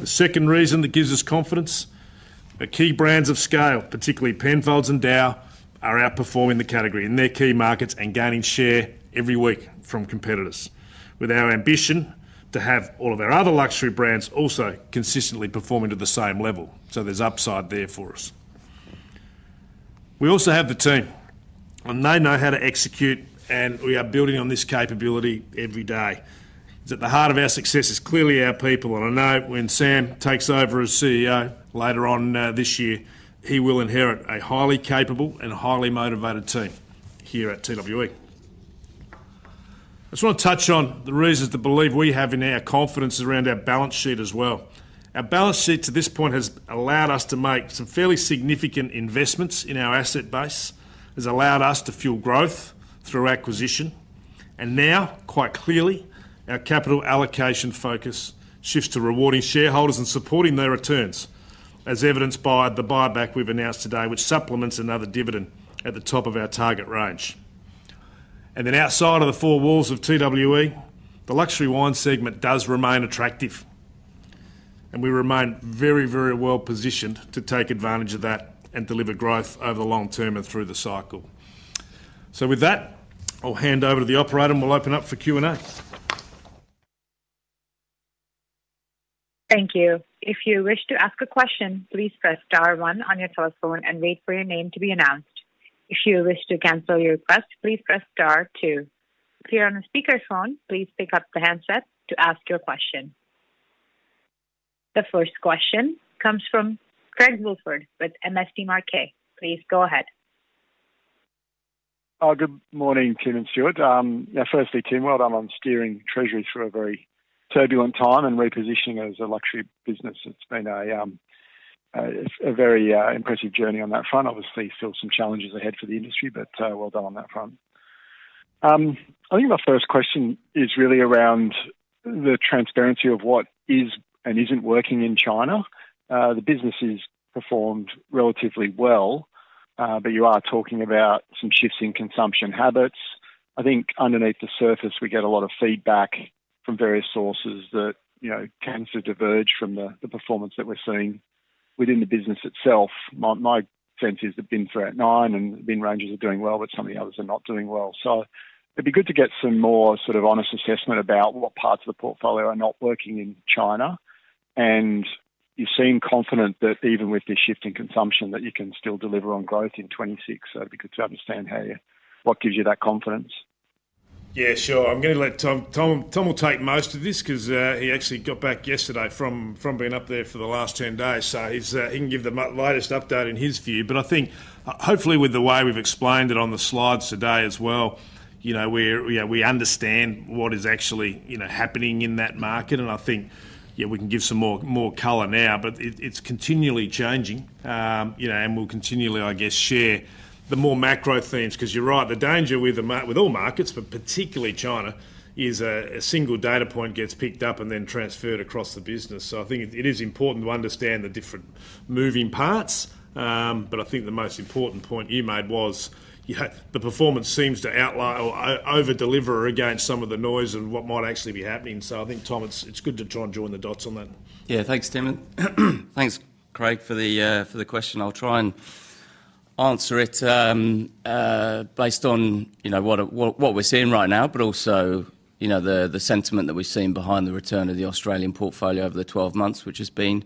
The second reason that gives us confidence: our key brands of scale, particularly Penfolds and DAOU, are outperforming the category in their key markets and gaining share every week from competitors, with our ambition to have all of our other luxury brands also consistently performing to the same level. There's upside there for us. We also have the team, and they know how to execute, and we are building on this capability every day. At the heart of our success is clearly our people. I know when Sam takes over as CEO later on this year, he will inherit a highly capable and highly motivated team here at TWE. I just want to touch on the reasons to believe we have in our confidence around our balance sheet as well. Our balance sheet to this point has allowed us to make some fairly significant investments in our asset base, has allowed us to fuel growth through acquisition, and now quite clearly, our capital allocation focus shifts to rewarding shareholders and supporting their returns, as evidenced by the buyback we've announced today, which supplements another dividend at the top of our target range. Outside of the four walls of TWE, the luxury wine segment does remain attractive, and we remain very, very well positioned to take advantage of that and deliver growth over the long term and through the cycle. With that, I'll hand over to the operator and we'll open up for Q&A. Thank you. If you wish to ask a question, please press star one on your cell phone and wait for your name to be announced. If you wish to cancel your request, please press Star two. If you're on the speaker phone, please pick up the handset to ask your question. The first question comes from Craig Woolford with MST Marquee. Please go ahead. Good morning, Tim and Stuart. Firstly, Tim, well done on steering Treasury through a very turbulent time and repositioning as a luxury business. It's been a very impressive journey on that front. Obviously, still some challenges ahead for the industry, but well done on that front. I think my first question is really around the transparency of what is and isn't working in China. The business has performed relatively well, but you are talking about some shifts in consumption habits. I think underneath the surface we get a lot of feedback from various sources that tends to diverge from the performance that we're seeing within the business itself. My sense is that Bin 389 and Bin ranges are doing well, but some of the others are not doing well. It would be good to get some more sort of honest assessment about what parts of the portfolio are not working in China. You seem confident that even with this shift in consumption that you can still deliver on growth in 2026. It would be good to understand what gives you that confidence. Yeah, sure. I'm going to let Tom take most of this because he actually got back yesterday from being up there for the last 10 days, so he can give the latest update in his view. I think hopefully with the way we've explained it on the slides today as well, we understand what is actually happening in that market. I think we can give some more color now, but it's continually changing and we'll continually share the more macro themes. You're right, the danger with all markets, but particularly China, is a single data point gets picked up and then transferred across the business. I think it is important to understand the different moving parts. I think the most important point you made was the performance seems to outlay or over deliver against some of the noise and what might actually be happening. I think, Tom, it's good to try and join the dots on that. Yeah, thanks Tim. Thanks Craig for the question. I'll try and answer it based on what we're seeing right now, but also the sentiment that we've seen behind the return of the Australian portfolio over the 12 months which has been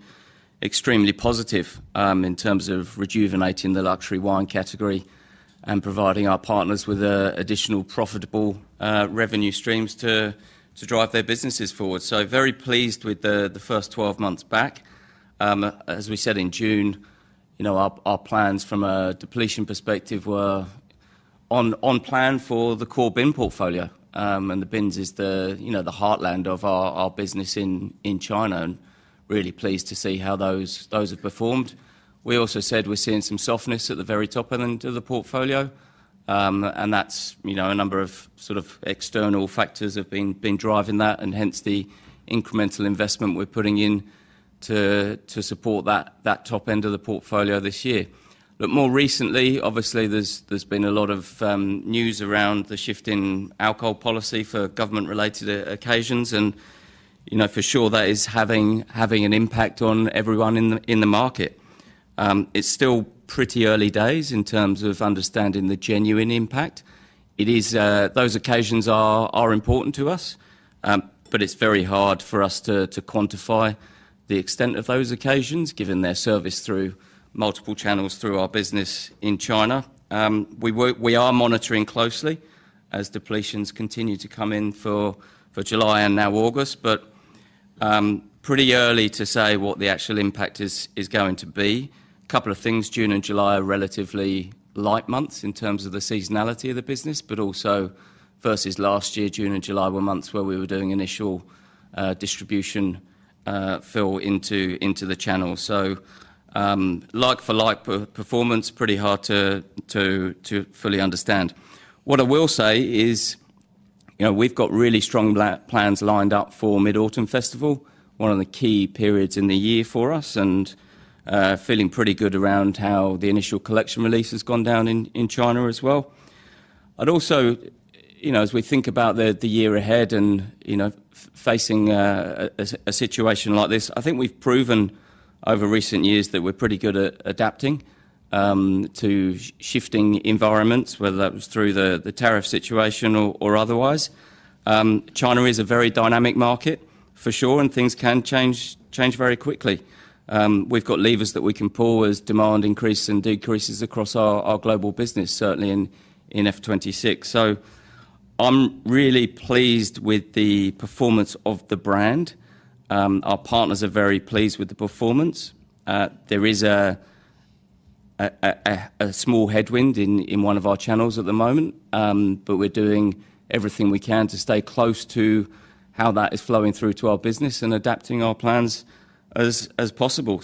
extremely positive in terms of rejuvenating the luxury wine category and providing our partners with additional profitable revenue streams to drive their businesses forward. Very pleased with the first 12 months back. As we said in June, our plans from a depletion perspective were on plan for the core bin portfolio and the bins is the heartland of our business in China and really pleased to see how those have performed. We also said we're seeing some softness at the very top end of the portfolio and that's, you know, a number of sort of external factors have been driving that and hence the incremental investment we're putting in to support that top end of the portfolio this year. More recently, obviously there's been a lot of news around the shift in alcohol policy for government related occasions and, you know, for sure that is having an impact on everyone in the market. It's still pretty early days in terms of understanding the genuine impact. Those occasions are important to us but it's very hard for us to quantify the extent of those occasions given their service through multiple channels. Through our business in China, we are monitoring closely as depletions continue to come in for July and now August, but pretty early to say what the actual impact is going to be. A couple of things. June and July are relatively light months in terms of the seasonality of the business. Also versus last year, June and July were months where we were doing initial distribution fill into the channel. Like-for-like performance, pretty hard to fully understand. What I will say is, you know, we've got really strong plans lined up for Mid Autumn Festival, one of the key periods in the year for us and feeling pretty good around how the initial collection release has gone down in China as well. I'd also, you know, as we think about the year ahead and, you know, facing a situation like this, I think we've proven over recent years that we're pretty good at adapting to shifting environments, whether that was through the tariff situation or otherwise. China is a very dynamic market for sure, and things can change very quickly. We've got levers that we can pull as demand increases and decreases across our global business, certainly in F 2026. I'm really pleased with the performance of the brand. Our partners are very pleased with the performance. There is a small headwind in one of our channels at the moment, but we're doing everything we can to stay close to how that is flowing through to our business and adapting our plans as possible.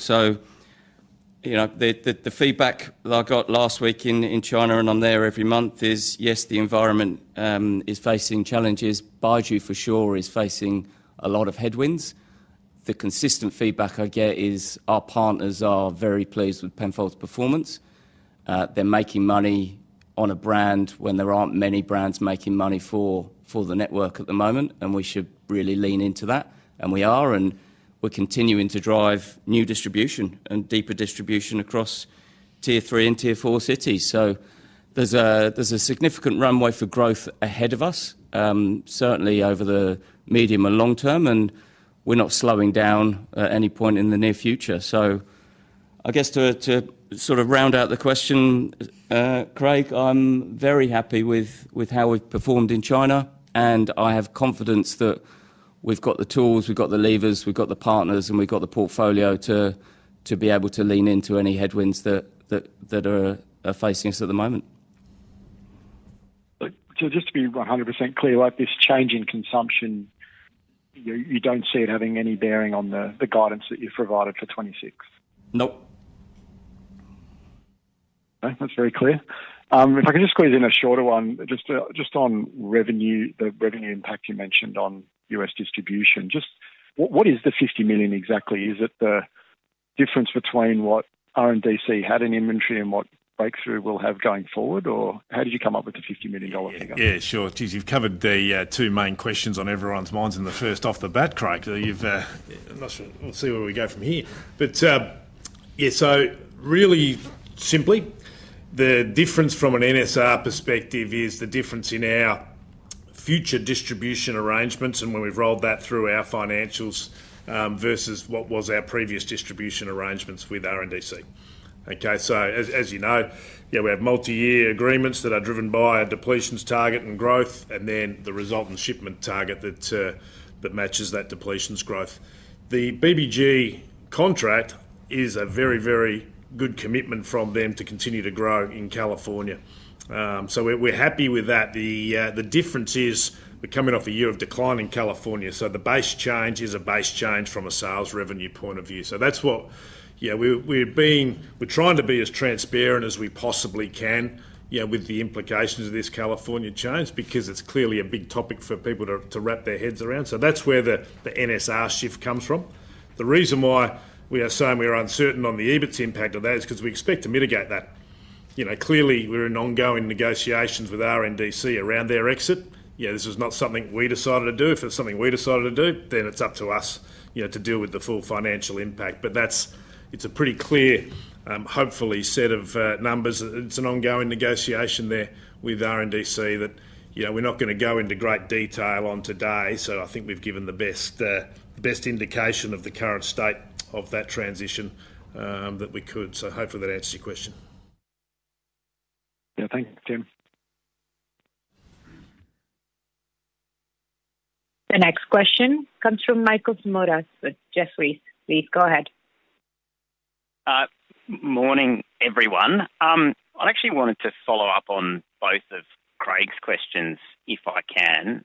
The feedback that I got last week in China, and I'm there every month, is yes, the environment is facing challenges. Baiju for sure is facing a lot of headwinds. The consistent feedback I get is our partners are very pleased with Penfolds' performance. They're making money on a brand when there aren't many brands making money for the network at the moment. We should really lean into that and we are. We're continuing to drive new distribution and deeper distribution across tier 3 and tier 4 cities. There's a significant runway for growth ahead of us, certainly over the medium and long term. We're not slowing down at any point in the near future. I guess to sort of round out the question, Craig, I'm very happy with how we've performed in China and I have confidence that we've got the tools, we've got the levers, we've got the partners and we've got the portfolio to be able to lean into any headwinds that are facing us at the moment. To be 100% clear, this change in consumption, you don't see it having any bearing on the guidance that you've provided for 2026? Nope. That's very clear. If I can just squeeze in a shorter one. Just on the revenue impact you mentioned on U.S. distribution, what is the $50 million exactly? Is it the difference between what RNDC had in inventory and what Breakthru will have going forward, or how did you come up with the $50 million figure? Yeah, sure, you've covered the two main questions on everyone's minds in the first off the bat, Craig, not sure we'll see where we go from here, but yeah. Really simply, the difference from an NSR perspective is the difference in our future distribution arrangements and when we've rolled that through our financials versus what was our previous distribution arrangements with RNDC. As you know, we have multi-year agreements that are driven by a depletions target and growth and then the resultant shipment target that matches that depletions growth. The BBG contract is a very, very good commitment from them to continue to grow in California. We're happy with that. The difference is we're coming off a year of decline in California. The base change is a base change from a sales revenue point of view. That's what we're being, we're trying to be as transparent as we possibly can with the implications of this California change because it's clearly a big topic for people to wrap their heads around. That's where the NSR shift comes from. The reason why we are saying we are uncertain on the EBIT impact of that is because we expect to mitigate that. Clearly, we're in ongoing negotiations with RNDC around their exit. This is not something we decided to do. If it's something we decided to do, then it's up to us to deal with the full financial impact. It's a pretty clear, hopefully, set of numbers. It's an ongoing negotiation there with RNDC that we're not going to go into great detail on today. I think we've given the best indication of the current state of that transition that we could. Hopefully that answers your question. Yeah, thanks Jim. The next question comes from Michael Simotas with Jefferies, go ahead. Morning everyone. I actually wanted to follow up on both of Craig's questions if I can.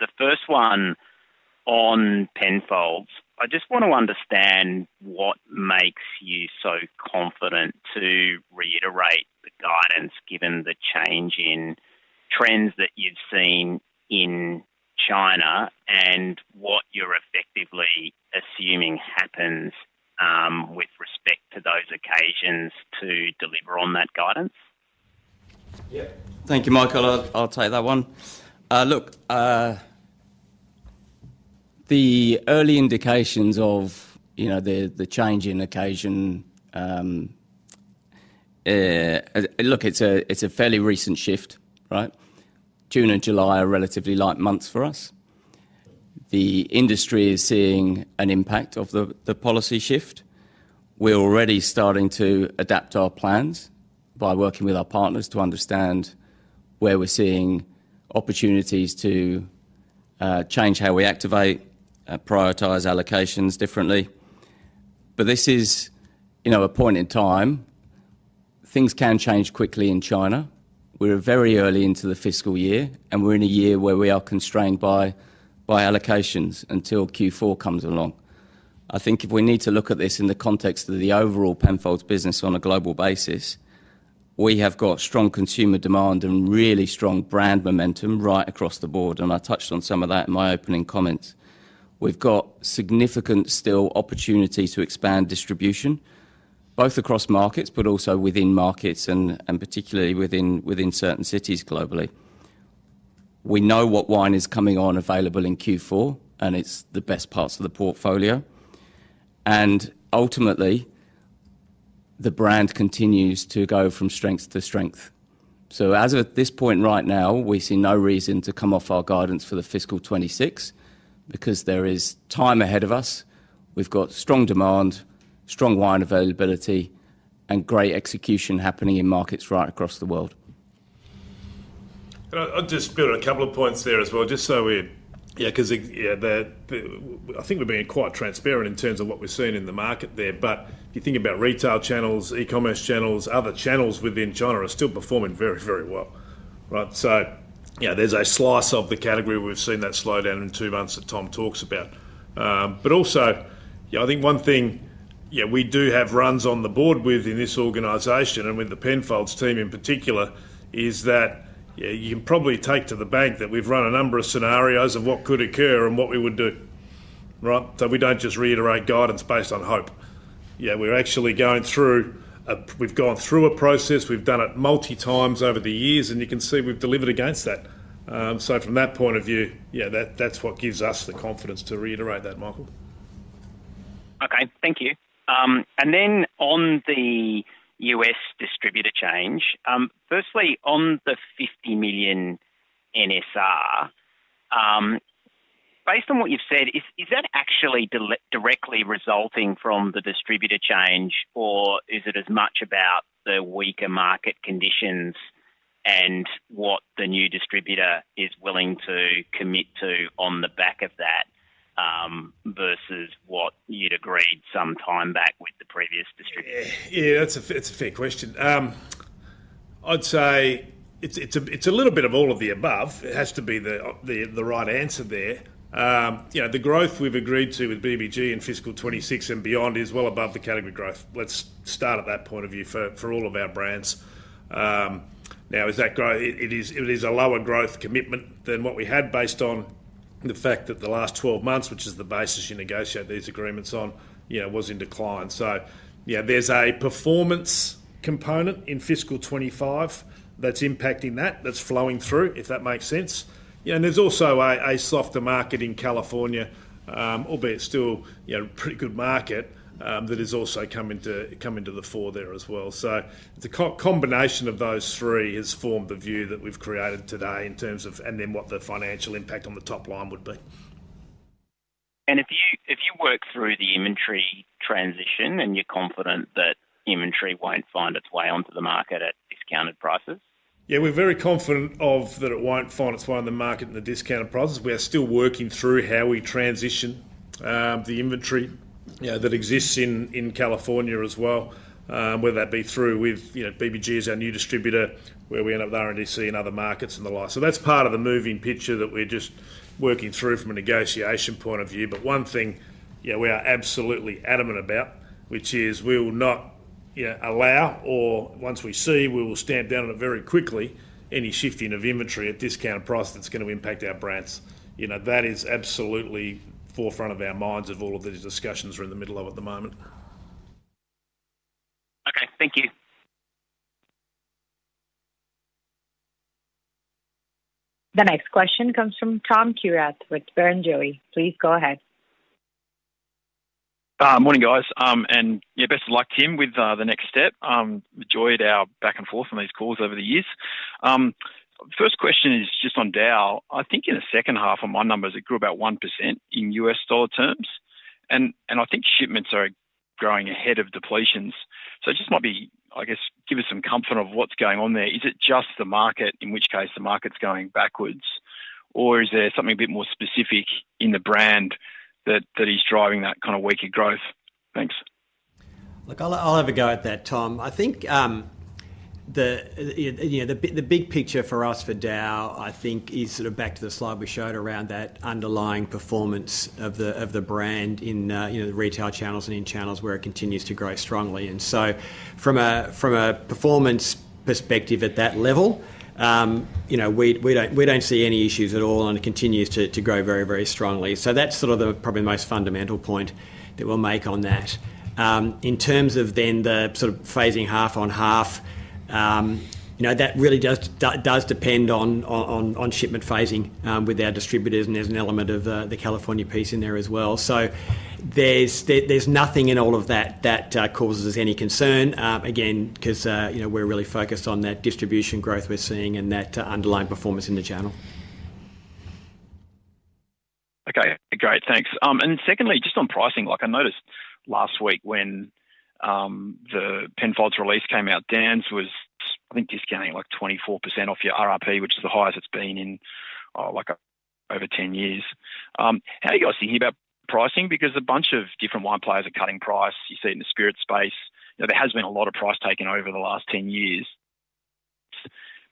The first one on Penfolds, I just want to understand what makes you so confident to reiterate the guidance given the change in trends that you've seen in China, and what you're effectively assuming happens with respect to those occasions to deliver on that guidance. Thank you, Michael. I'll take that one. The early indications of the change in occasion, it's a fairly recent shift. June and July are relatively light months for us. The industry is seeing an impact of the policy shift. We're already starting to adapt our plans by working with our partners to understand where we're seeing opportunities to change how we activate, prioritize allocations differently. This is a point in time. Things can change quickly in China. We're very early into the fiscal year and we're in a year where we are constrained by allocations until Q4 comes along. I think we need to look at this in the context of the overall Penfolds business on a global basis. We have got strong consumer demand and really strong brand momentum right across the board. I touched on some of that in my opening comments. We've got significant opportunity to expand distribution both across markets, but also within markets and particularly within certain cities globally. We know what wine is coming on available in Q4 and it's the best parts of the portfolio and ultimately the brand continues to go from strength to strength. As of this point right now, we see no reason to come off our guidance for fiscal 2026 because there is time ahead of us. We've got strong demand, strong wine availability and great execution happening in markets right across the world. I'll just build a couple of points there as well. I think we're being quite transparent in terms of what we're seeing in the market there. If you think about retail channels, e-commerce channels, other channels within China are still performing very, very well. There's a slice of the category. We've seen that slowdown in two months that Tom talks about. I think one thing we do have runs on the board with, in this organization and with the Penfolds team in particular, is that you can probably take to the bank that we've run a number of scenarios of what could occur and what we would do. We don't just reiterate guidance based on hope. We're actually going through, we've gone through a process, we've done it multi times over the years, and you can see we've delivered against that. From that point of view, that's what gives us the confidence to reiterate that, Michael. Thank you. And then on the U.S. distributor change. Firstly, on the $50 million NSR. Based on what you've said, is that actually directly resulting from the distributor change, or is it as much about the weaker market conditions and what the new distributor is willing to commit to on the back of that versus what you'd agreed some time back with the previous distributor? Yeah, it's a fair question. I'd say it's a little bit of all of the above. It has to be the right answer there. The growth we've agreed to with BBG in fiscal 2026 and beyond is well above the category growth. Let's start at that point of view for all of our brands now is that it is a lower growth commitment than what we had based on the fact that the last 12 months, which is the basis you negotiate these agreements on, was in decline. There's a performance component in fiscal 2025 that's impacting that, that's flowing through, if that makes sense. There's also a softer market in California, albeit still pretty good market that has also come into the fore there as well. The combination of those three has formed the view that we've created today in terms of what the financial impact on the top line would be. If you work through the inventory transition and you're confident that inventory won't find its way onto the market at discounted prices. Yeah, we're very confident that it won't find its way on the market at discounted prices. We are still working through how we transition the inventory that exists in California as well, whether that be through with BBG as our new distributor, where we end up with RNDC in other markets and the like. That's part of the moving picture that we're just working through from a negotiation point of view. One thing we are absolutely adamant about is we will not allow, or once we see, we will stamp down very quickly any shifting of inventory at discount price that's going to impact our brands. That is absolutely forefront of our minds in all of these discussions we're in the middle of at the moment. Okay, thank you. The next question comes from Tom Kierath with Barrenjoey, please go ahead. Morning guys. Best of luck, Tim, with the next step. Enjoyed our back and forth on these calls over the years. First question is just on DAOU. I think in the second half on my numbers it grew about 1% in U.S. dollar terms and I think shipments are growing ahead of depletions. It just might be, I guess, give us some comfort of what's going on there. Is it just the market, in which case the market's going backwards, or is there something a bit more specific in the brand that is driving that kind of weaker growth? Thanks. Look, I'll have a go at that. Tom, I think the big picture for us for DAOU, I think is sort of back to the slide we showed around that underlying performance of the brand in the retail channels and in channels where it continues to grow strongly. From a performance perspective at that level, you know, we don't see any issues at all, and it continues to grow very, very strongly. That's probably the most fundamental point that we'll make on that. In terms of the sort of phasing half on half, you know, that really does depend on shipment phasing with our distributors, and there's an element of the California piece in there as well. There's nothing in all of that that causes us any concern again because, you know, we're really focused on that distribution growth, that underlying performance in the channel. Okay, great, thanks. Secondly, just on pricing, I noticed last week when the Penfolds release came out, Dan's was, I think, discounting like 24% off your RRP, which is the highest it's been in over 10 years. How are you guys thinking about pricing? A bunch of different wine players are cutting price. You see in the spirit space there has been a lot of price taken over the last 10 years.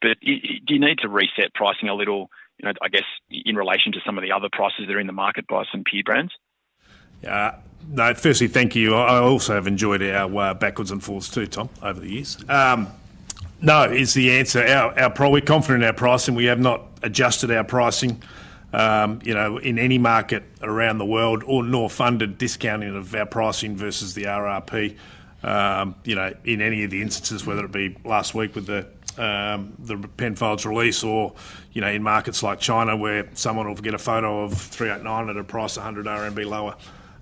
Do you need to reset pricing a little, I guess, in relation to some of the other prices that are in the market by some peer brands? No, firstly, thank you. I also have enjoyed our backwards and forwards too, Tom, over the years. No is the answer. We're confident in our pricing. We have not adjusted our pricing in any market around the world nor funded discounting of our pricing versus the RRP. In any of the instances, whether it be last week with the Penfolds release or in markets like China where someone will get a photo of 389 at a price 100 RMB lower,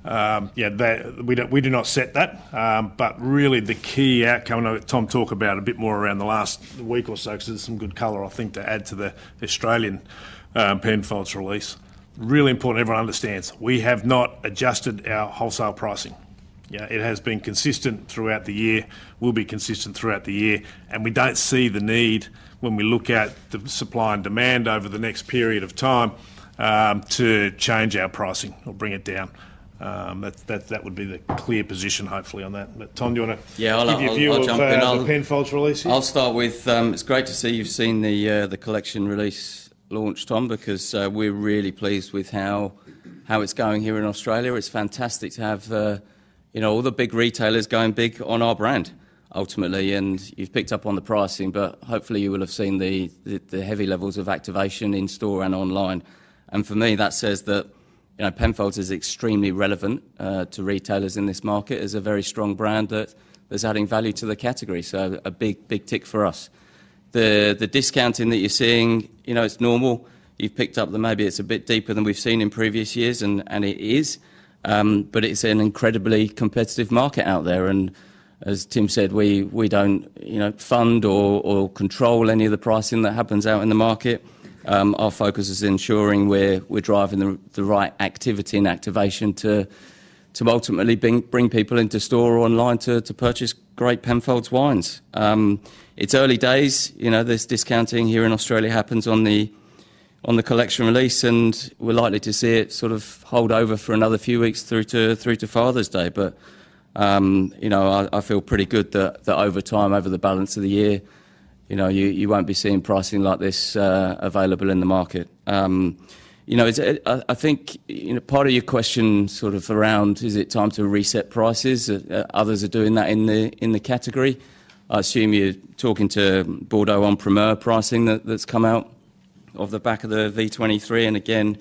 we do not set that. The key outcome, Tom, talk about a bit more around the last week or so. There's some good color, I think, to add to the Australian Penfolds release. Really important everyone understands we have not adjusted our wholesale pricing. It has been consistent throughout the year, will be consistent throughout the year, and we don't see the need when we look at the supply and demand over the next period of time to change our pricing or bring it down. That would be the clear position, hopefully, on that. Tom, do you want to jump? I'll start with it's great to see you've seen the collection release launched, Tom, because we're really pleased with how it's going here in Australia. It's fantastic to have all the big retailers going big on our brand ultimately and you've picked up on the pricing, but hopefully you will have seen the heavy levels of activation in store and online. For me that says that Penfolds is extremely relevant to retailers in this market as a very strong brand that is adding value to the category. A big tick for us. The discounting that you're seeing, you know, it's normal, you've picked up that maybe it's a bit deeper than we've seen in previous years and it is. It's an incredibly competitive market out there and as Tim said, we don't fund or control any of the pricing that happens out in the market. Our focus is ensuring we're driving the right activity and activation to ultimately bring people into store or online to purchase great Penfolds wines. It's early days. This discounting here in Australia happens on the collection release and we're likely to see it sort of hold over for another few weeks through to Father's Day. I feel pretty good that over time, over the balance of the year, you won't be seeing pricing like this available in the market. I think part of your question sort of around is it time to reset prices, others are doing that in the category. I assume you're talking to Bordeaux en Primeur pricing, that's come out of the back of the V23 and again,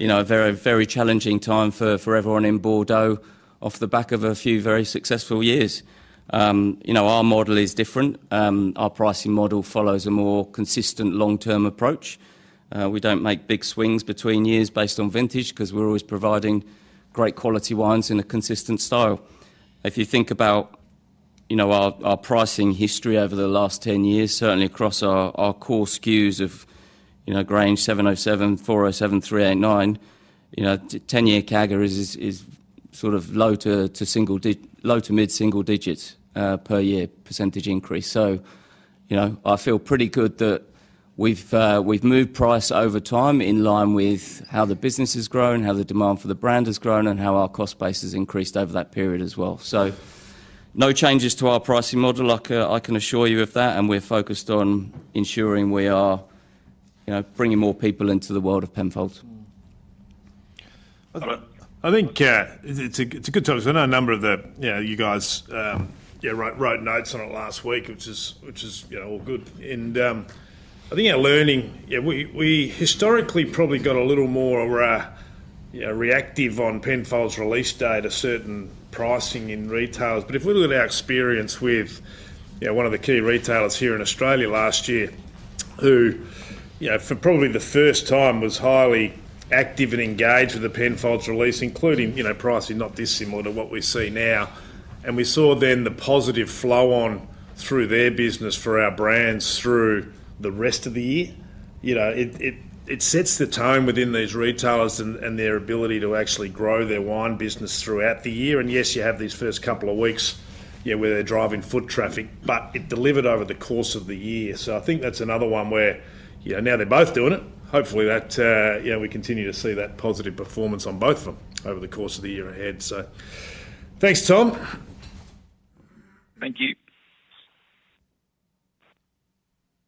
a very, very challenging time for everyone in Bordeaux off the back of a few very successful years. Our model is different. Our pricing model follows a more consistent long term approach. We don't make big swings between years based on vintage because we're always providing great quality wines in a consistent style. If you think about our pricing history over the last 10 years, certainly across our core SKUs of Grange, 707, 407, 389, 10 year CAGR is low to mid single digits per year percentage increase. I feel pretty good that we've moved price over time in line with how the business has grown, how the demand for the brand has grown and how our cost base has increased over that period as well. No changes to our pricing model, I can assure you of that. We're focused on ensuring we are bringing more people into the world of Penfolds. I think it's a good time because I know a number of you guys wrote notes on it last week, which is all good. I think our learning, we historically probably got a little more reactive on Penfolds release date, a certain pricing in retailers. If we look at our experience with one of the key retailers here in Australia last year who, for probably the first time, was highly active and engaged with the Penfolds release, including pricing not dissimilar to what we see now, we saw then the positive flow on through their business for our brands through the rest of the year. It sets the tone within these retailers and their ability to actually grow their wine business throughout the year. Yes, you have these first couple of weeks where they're driving foot traffic, but it delivered over the course of the year. I think that's another one where now they're both doing it, hopefully that we continue to see that positive performance on both of them over the course of the year ahead. Thanks, Tom. Thank you.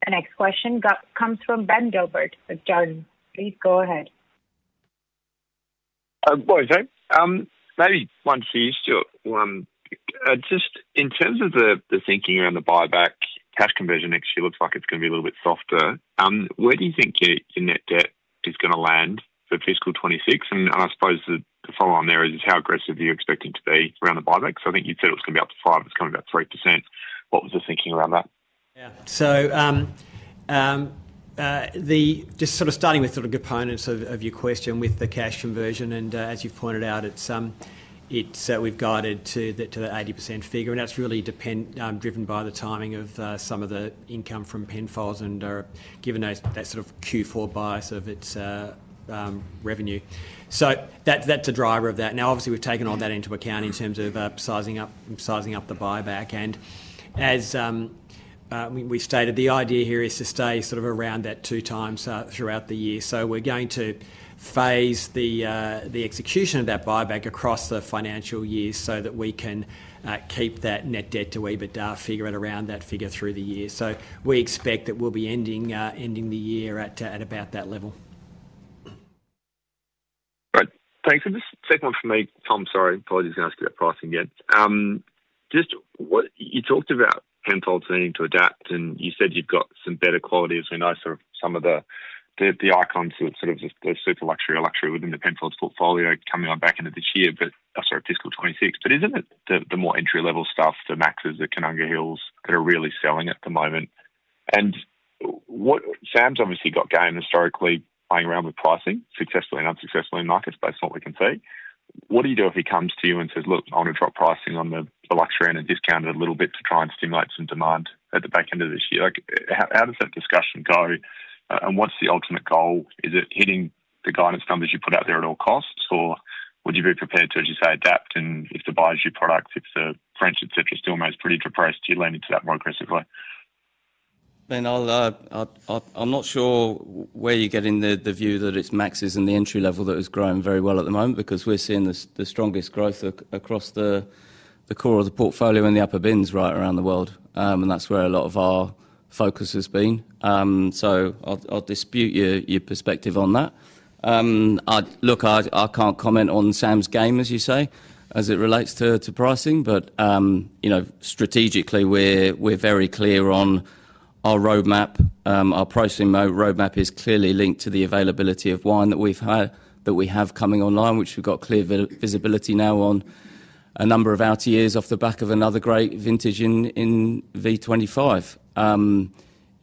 The next question comes from Ben Gilbert with Jarden, please go ahead. Maybe one for you, Stuart. Just in terms of the thinking around the buyback, cash conversion next year looks like it's going to be a little bit softer. Where do you think your net debt is going to land for fiscal 2026? I suppose the following there is, how aggressive are you expecting to be around the buyback? I think you said it was going to be up to 5%. It's going to be about 3%. What was the thinking around that? Yeah, just starting with components of your question with the cash conversion. As you've pointed out, we've guided to the 80% figure and that's really driven by the timing of some of the income from Penfolds and given that Q4 bias of its revenue. That's a driver of that. Obviously, we've taken all that into account in terms of sizing up the buyback and as we stated, the idea here is to stay around that two times throughout the year. We're going to phase the execution of that buyback across the financial year so that we can keep that net debt to EBITDA figure at around that figure through the year. We expect that we'll be ending the year at about that level. Right, thanks. This second one for me, Tom, apologies. Ask about pricing yet. Just what you talked about, Penfolds needing to adapt and you said you've got some better quality, as we know, some of the icons, sort of just the super luxury or luxury within the Penfolds portfolio coming on back into this year. Sorry, fiscal 2026, but isn't it the more entry level stuff, the Max's, the Koonunga Hill, that are really selling at the moment and what Sam's obviously got gained historically playing around with pricing successfully and unsuccessfully in markets based on what we can see. What do you do if he comes to you and says, look, I want to drop pricing on the luxury and discount it a little bit to try and stimulate some demand at the back end of this year? How does that discussion go and what's the ultimate goal? Is it hitting the guidance numbers you put out there at all costs or would you be prepared to, as you say, adapt? If the buyers, your product, if the French, etc., still makes pretty depressed, you lean into that more aggressively. I'm not sure where you're getting the view that it's Maxis and the entry level that has grown very well at the moment because we're seeing the strongest growth across the core of the portfolio and the upper bins right around the world. That's where a lot of our focus has been. I'll dispute your perspective on that. I can't comment on Sam's game, as you say, as it relates to pricing, but you know, strategically we're very clear on our roadmap. Our pricing roadmap is clearly linked to the availability of wine that we've had, that we have coming online, which we've got clear visibility now on a number of outer years off the back of another great vintage in V25.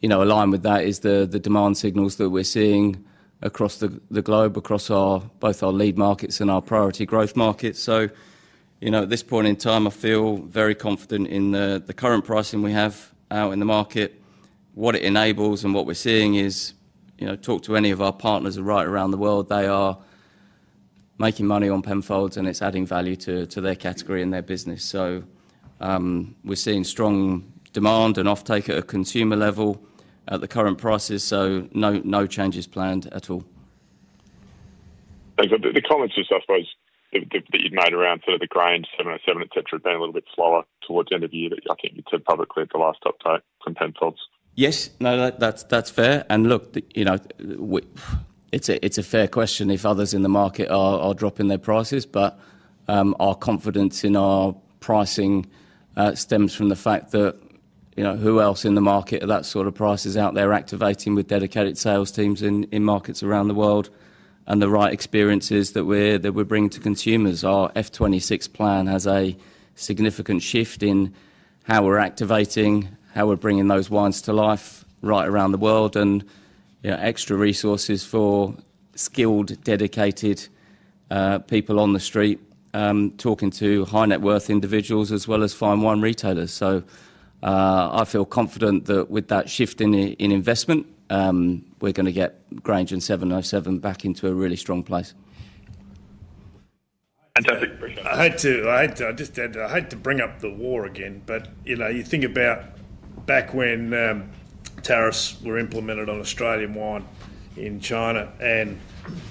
Aligned with that is the demand signals that we're seeing across the globe, across both our lead markets and our priority growth markets. At this point in time I feel very confident in the current pricing we have out in the market, what it enables and what we're seeing is, talk to any of our partners right around the world, they are making money on Penfolds and it's adding value to their category and their business. We're seeing strong demand and offtake at a consumer level at the current prices. No changes planned at all. The comments just I suppose that you'd made around sort of The Grange, 707, etc., being a little bit slower towards the end of the year, I think you said publicly at the last top contents. Yes, that's fair. It's a fair question if others in the market are dropping their prices. Our confidence in our pricing stems from the fact that who else in the market at that sort of price is out there activating with dedicated sales teams in markets around the world and the right experiences that we bring to consumers. Our F26 plan has a significant shift in how we're activating, how we're bringing those wines to life right around the world, and extra resources for skilled, dedicated people on the street talking to high net worth individuals as well as fine wine retailers. I feel confident that with that shift in investment, we're going to get Grange and 707 back into a really strong place. I hate to bring up the war again, but you know, you think about back when tariffs were implemented on Australian wine in China, and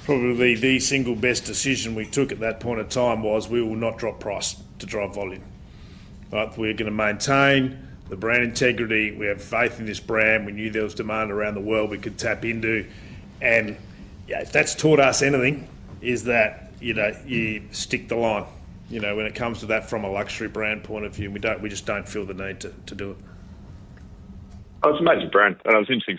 probably the single best decision we took at that point in time was we will not drop price to drop volume, but we're going to maintain the brand integrity. We have faith in this brand. We knew there was demand around the world we could tap into, and yeah, if that's taught us anything, it's that you stick the line when it comes to that from a luxury brand point of view, and we just don't feel the need to do it. Oh, it's an amazing brand and it was interesting.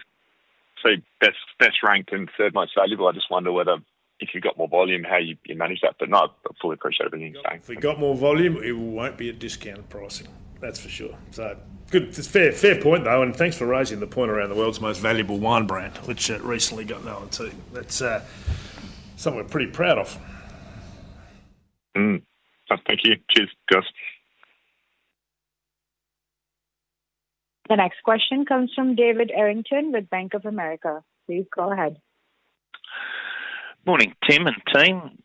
That's best ranked and third most valuable. I just wonder whether if you've got more volume, how you manage that but not fully priced. If we got more volume, it won't be a discounted pricing, that's for sure. Good, fair point though, and thanks for raising the point around the world's most valuable wine brand, which recently got no. 2. That's something we're pretty proud of. Thank you. Cheers, guys. The next question comes from David Errington with Bank of America. Please go ahead. Morning, Tim and team.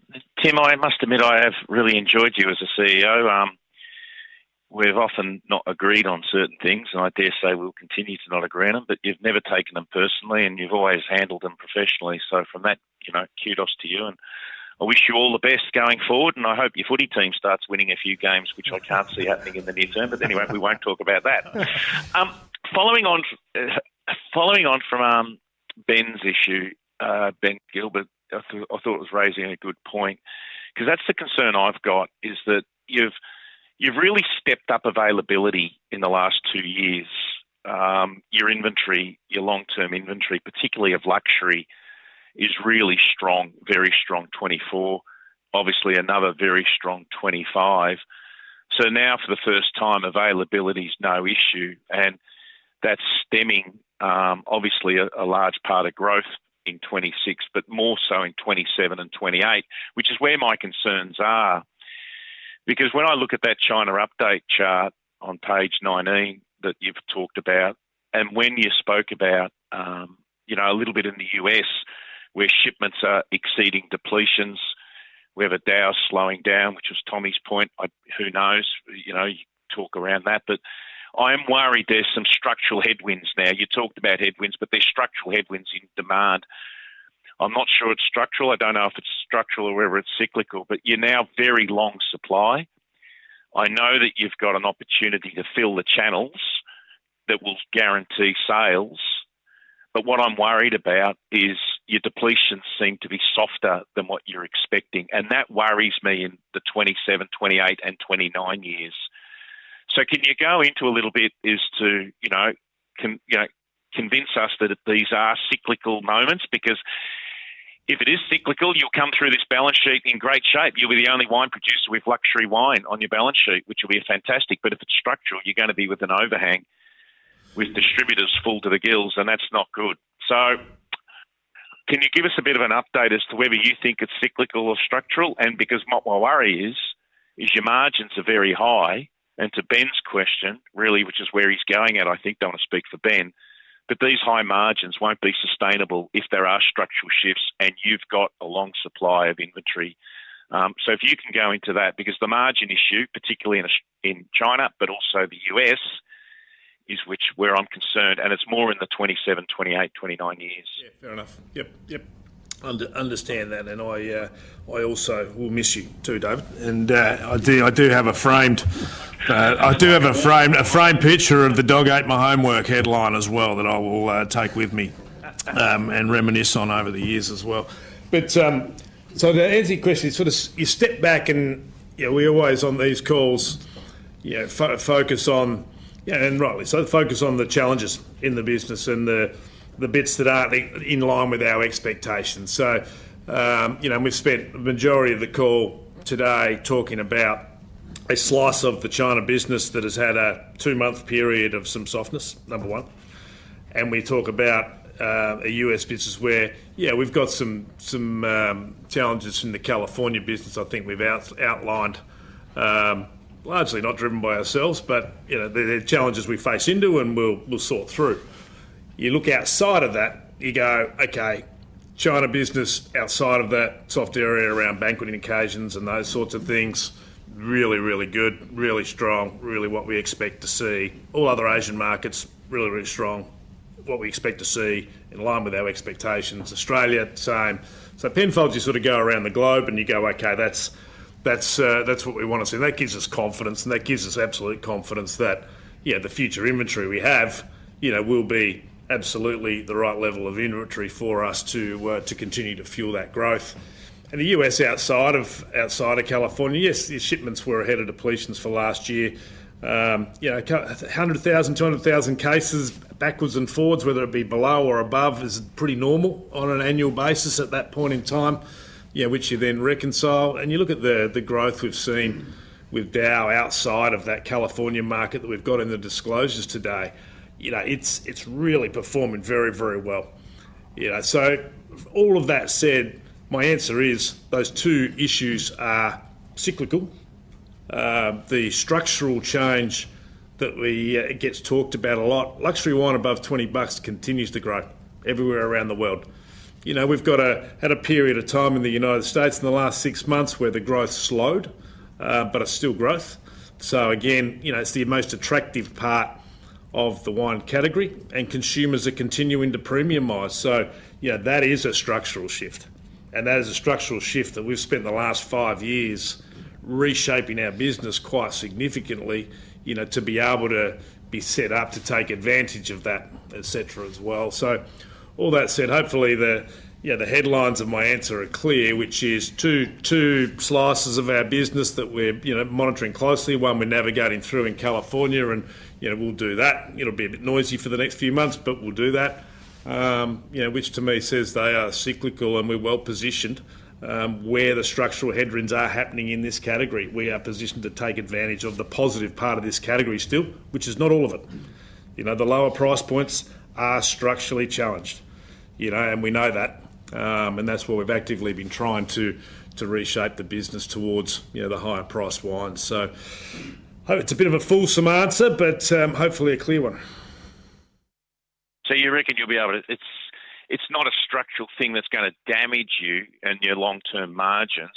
Tim, I must admit I have really enjoyed you as a CEO. We've often not agreed on certain things and I dare say we'll continue to not agree on them. You've never taken them personally and you've always handled them professionally. From that, kudos to you and I wish you all the best going forward and I hope your footy team starts winning a few games, which I can't see happening in the near term. Anyway, we won't talk about that. Following on from Ben's issue, Ben Gilbert, I thought he was raising a good point because that's the concern I've got. You've really stepped up availability in the last two years. Your inventory, your long-term inventory, particularly of luxury, is really strong, very strong 2024, obviously another very strong 2025. Now for the first time, availability is no issue and that's stemming obviously a large part of growth in 2026, but more so in 2027 and 2028, which is where my concerns are. When I look at that China update chart on page 19 that you've talked about and when you spoke about a little bit in the U.S. where shipments are exceeding depletions, we have a DAOU slowing down, which was Tommy's point. Who knows, talk around that. I am worried there's some structural headwinds. You talked about headwinds, but there are structural headwinds in demand. I'm not sure it's structural. I don't know if it's structural or whether it's cyclical. You now have very long supply. I know that you've got an opportunity to fill the channels that will guarantee sales. What I'm worried about is your depletions seem to be softer than what you're expecting. That worries me in the 2027, 2028, and 2029 years. Can you go into a little bit as to, you know, can you convince us that these are cyclical moments? If it is cyclical, you'll come through this balance sheet in great shape. You'll be the only wine producer with luxury wine on your balance sheet, which will be fantastic. If it's structural, you're going to be with an overhang with distributors full to the gills and that's not good. Can you give us a bit of an update as to whether you think it's cyclical or structural? What my worry is, is your margins are very high. To Ben's question, really, which is where he's going at, I think, I don't speak for Ben, that these high margins won't be sustainable if there are structural shifts and you've got a long supply of inventory. If you can go into that, because the margin issue, particularly in China, but also the U.S., is where I'm concerned and it's more in the 2027, 2028, 2029 years. Fair enough, I understand that. I also will miss you too, Dave. I do have a framed picture of the dog ate my homework headline as well that I will take with me and reminisce on over the years as well. The answer to your question is, you step back and we always on these calls focus on, and rightly so, focus on the challenges in the business and the bits that aren't in line with our expectations. We've spent the majority of the call today talking about a slice of the China business that has had a two-month period of some softness, number one. We talk about a U.S. business where, yeah, we've got some challenges from the California business I think we've outlined, largely not driven by ourselves, but the challenges we face into and we'll sort through. You look outside of that, you go, okay, China business outside of that soft area around banqueting occasions and those sorts of things, really, really good, really strong, really what we expect to see. All other Asian markets, really, really strong, what we expect to see in line with our expectations. Australia, same. Penfolds, you sort of go around the globe and you go, okay, that's what we want to see. That gives us confidence and that gives us absolute confidence that the future inventory we have will be absolutely the right level of inventory for us to continue to fuel that growth. The U.S. outside of California, yes, shipments were ahead of depletions for last year, 100,000, 200,000 cases backwards and forwards, whether it be below or above is pretty normal on an annual basis at that point in time, which you then reconcile and you look at the growth we've seen with DAOU outside of that California market that we've got in the disclosures today. It's really performing very, very well. All of that said, my answer is those two issues are cyclical. The structural change that gets talked about a lot, luxury wine above $20 continues to grow everywhere around the world. We've had a period of time in the United States in the last six months where the growth slowed down, but it's still growth. It's the most attractive part of the wine category and consumers are continuing to premiumize. That is a structural shift and that is a structural shift that we've spent the last five years reshaping our business quite significantly to be able to be set up to take advantage of that, et cetera as well. All that said, hopefully the headlines of my answer are clear, which is two slices of our business that we're monitoring closely. We're navigating through in California and we'll do that. It'll be a bit noisy for the next few months, but we'll do that. Which to me says they are cyclical and we're well positioned where the structural headwinds are happening in this category. We are positioned to take advantage of the positive part of this category still, which is not all of it. The lower price points are structurally challenged and we know that. That's what we've actively been trying to reshape the business towards the higher priced wines. It's a bit of a fulsome answer, but hopefully a clear one. You reckon you'll be able to. It's not a structural thing that's going to damage you and your long-term margins.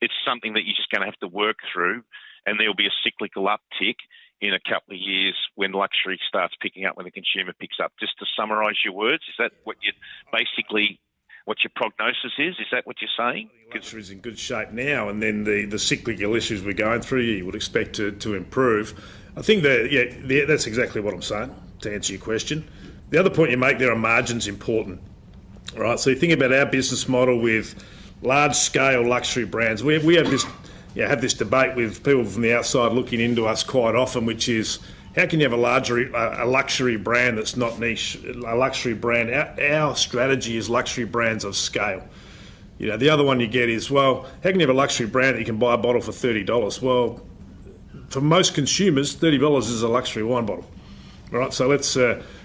It's something that you're just going to have to work through, and there'll be a cyclical uptick in a couple of years when luxury starts picking up, when the consumer picks up. Just to summarize your words, is that basically what your prognosis is, is that what you're saying? It's in good shape now, and the cyclical issues we're going through, you would expect to improve? I think that's exactly what I'm saying. To answer your question, the other point you make, there are margins important, right? You think about our business model with large scale luxury brands. We have this. You have this debate with people from the outside looking into us quite often, which is how can you have a larger, a luxury brand that's not niche, a luxury brand. Our strategy is luxury brands of scale. The other one you get is, how can you have a luxury brand that you can buy a bottle for $30? For most consumers, $30 is a luxury wine bottle. All right?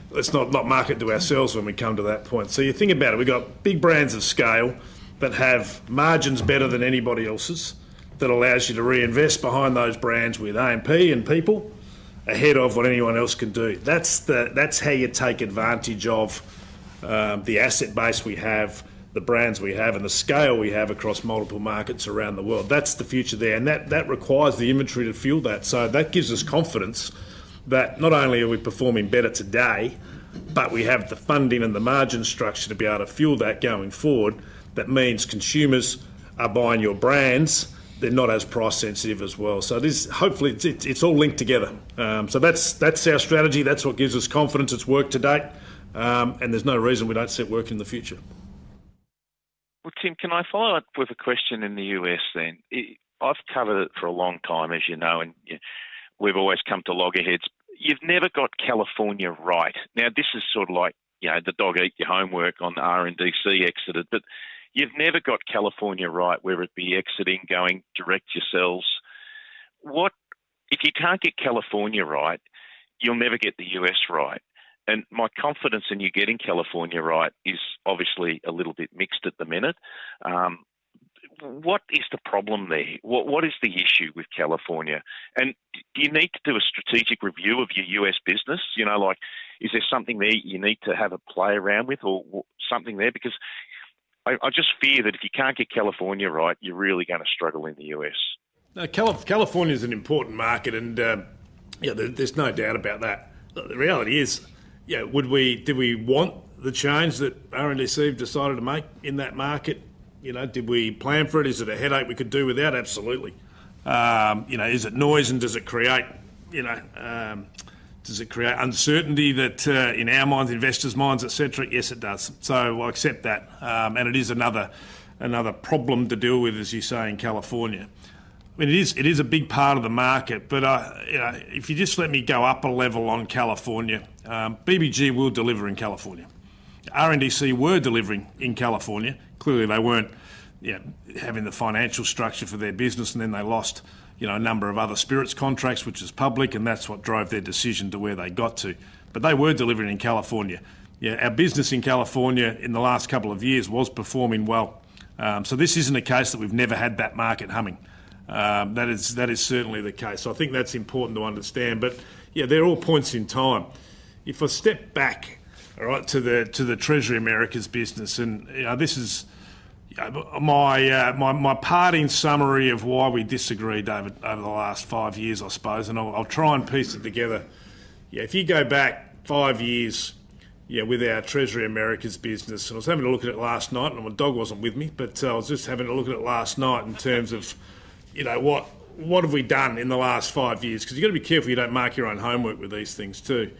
Let's not market to ourselves when we come to that point. If you think about it, we've got big brands of scale that have margins better than anybody else's. That allows you to reinvest behind those brands with amp and people ahead of what anyone else can do. That's how you take advantage of the asset base. We have the brands we have and the scale we have across multiple markets around the world. That's the future there, and that requires the inventory to fuel that. That gives us confidence that not only are we performing better today, but we have the funding and the margin structure to be able to fuel that going forward. That means consumers are buying your brands. They're not as price sensitive as well. Hopefully it's all linked together. That's our strategy. That's what gives us confidence. It's worked to date, and there's no reason we don't see it working in the future. Tim, can I follow up with a question in the U.S. then? I've covered it for a long time, as you know, and we've always come to loggerheads. You've never got California right. Now this is sort of like, you know, the dog ate your homework on RNDC exited, but you've never got California right. Whether it be exiting, going direct yourselves, what if you can't get California right? You'll never get the U.S. right. My confidence in you getting California right is obviously a little bit mixed at the minute. What is the problem there? What is the issue with California? Do you need to do a strategic review of your U.S. business? Is there something there you need to have a play around with or something there? I just fear that if you can't get California right, you're really going to struggle in the U.S. California is. An important market and yeah, there's no doubt about that. The reality is, do we want the change that RNDC decided to make in that market? You know, did we plan for it? Is it a headache we could do without? Absolutely. You know, is it noise and does it create, you know, does it create uncertainty that in our minds, investors' minds, et cetera? Yes, it does. I accept that. It is another problem to deal with, as you say, in California. It is a big part of the market. If you just let me go up a level on California, BBG will deliver in California. RNDC were delivering in California. Clearly they weren't having the financial structure for their business. Then they lost a number of other spirits contracts, which is public, and that's what drove their decision to where they got to. They were delivering in California. Our business in California in the last couple of years was performing well. This isn't a case that we've never had that market humming. That is certainly the case. I think that's important to understand. They're all points in time. If I step back to the Treasury Americas business, and this is my parting summary of why we disagreed over the last five years, I suppose, and I'll try and piece it together. If you go back five years with our Treasury Americas business, I was having a look at it last night and my dog wasn't with me, but I was just having a look at it last night in terms of, you know, what have we done in the last five years? Because you gotta be careful. You don't mark your own homework with these things too.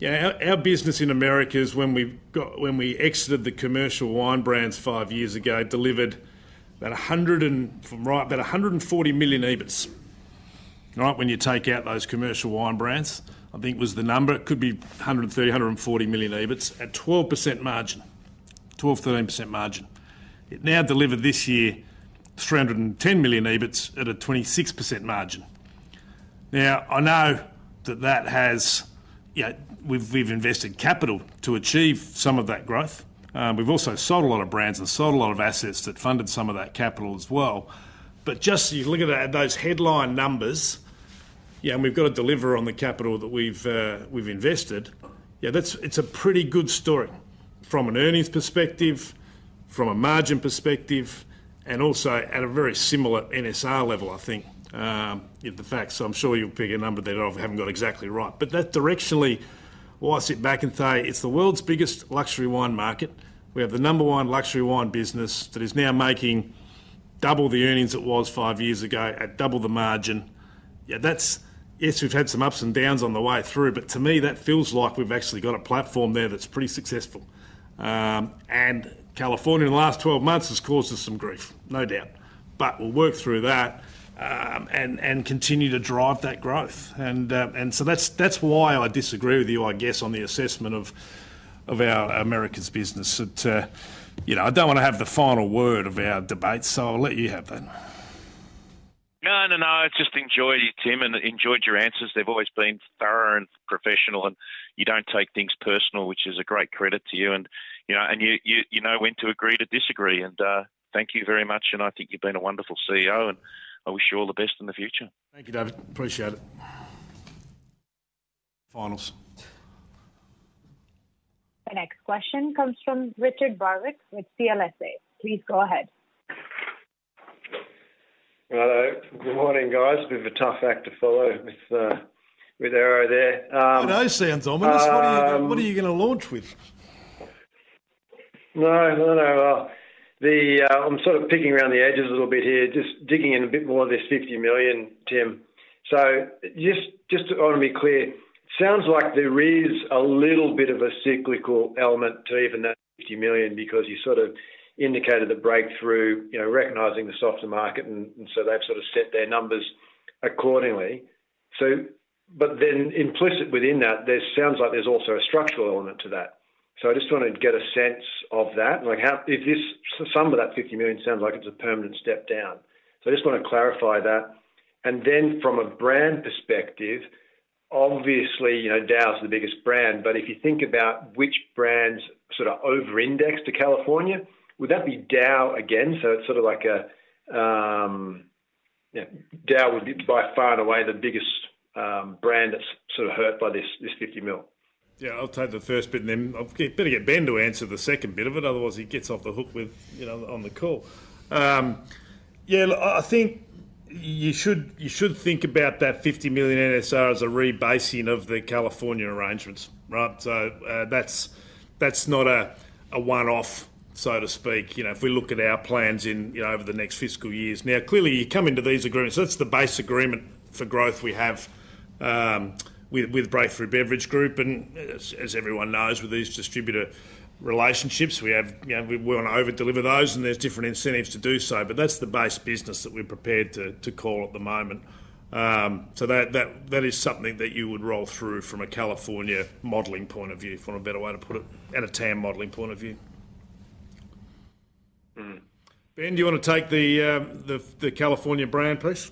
Our business in America is when we exited the commercial wine brands five years ago, delivered that $140 million EBIT. When you take out those commercial wine brands, I think was the number, could be $130 million, $140 million EBIT at 12% margin, 12%, 13% margin. It now delivered this year $310 million EBIT at a 26% margin. I know that we've invested capital to achieve some of that growth. We've also sold a lot of brands and sold a lot of assets that funded some of that capital as well. Just you look at those headline numbers. We've got to deliver on the capital that we've invested. It's a pretty good story from an earnings perspective, from a margin perspective, and also at a very similar NSR level, I think in the facts. I'm sure you'll pick a number that I haven't got exactly right, but directionally, why sit back and say it's the world's biggest luxury wine market? We have the number one luxury wine business that is now making double the earnings it was five years ago at double the margin. Yes, we've had some ups and downs on the way through, but to me that feels like we've actually got a platform there that's pretty successful. California in the last 12 months has caused us some grief, no doubt. We'll work through that and continue to drive that growth. That's why I disagree with you, I guess, on the assessment of our Americas business. I don't want to have the final word of our debate, so I'll let you have that. No, no, no. I just enjoyed it, Tim, and enjoyed your answers. They've always been thorough and professional, and you don't take things personal, which is a great credit to you. You know when to agree to disagree. Thank you very much. I think you've been a wonderful CEO and I wish you all the best in the future. Thank you, David. Appreciate it. [Finals.] My next question comes from Richard Barwick with CLSA. Please go ahead. Good morning, guys. Bit of a tough act to follow with Arrow there. That sounds ominous. What are you going to launch with? No, I'm sort of picking around the edges a little bit here. Just digging in a bit more, this $50 million, Tim. I just want to be clear, sounds like there is a little bit of a cyclical element to even that $50 million because you indicated the Breakthru recognizing the softer market and they've set their numbers accordingly. Implicit within that, there sounds like there's also a structural element to that. I just want to get a sense of that. How is this, some of that $50 million sounds like it's a permanent step down. I just want to clarify that. From a brand perspective, obviously you know, DAOU is the biggest brand, but if you think about which brands over index to California, would that be DAOU again? It's sort of like a [dow] would be by far and away the biggest brand that's sort of hurt by this $50 million. Yeah, I'll take the first bit and then I'll get Ben to answer the second bit of it, otherwise he gets off the hook on the call. I think you should think about that $50 million NSR as a rebasing of the California arrangements. That's not a one-off, so to speak. If we look at our plans over the next fiscal years, now clearly you come into these agreements, that's the base agreement for growth we have with Breakthru Beverage Group. As everyone knows with these distributor relationships we have, we want to over deliver those and there's different incentives to do so. That's the base business that we're prepared to call at the moment. That is something that you would roll through from a California modeling point of view, or from a better way to put it, at a TAM modeling point of view. Ben, do you want to take the California brand, please?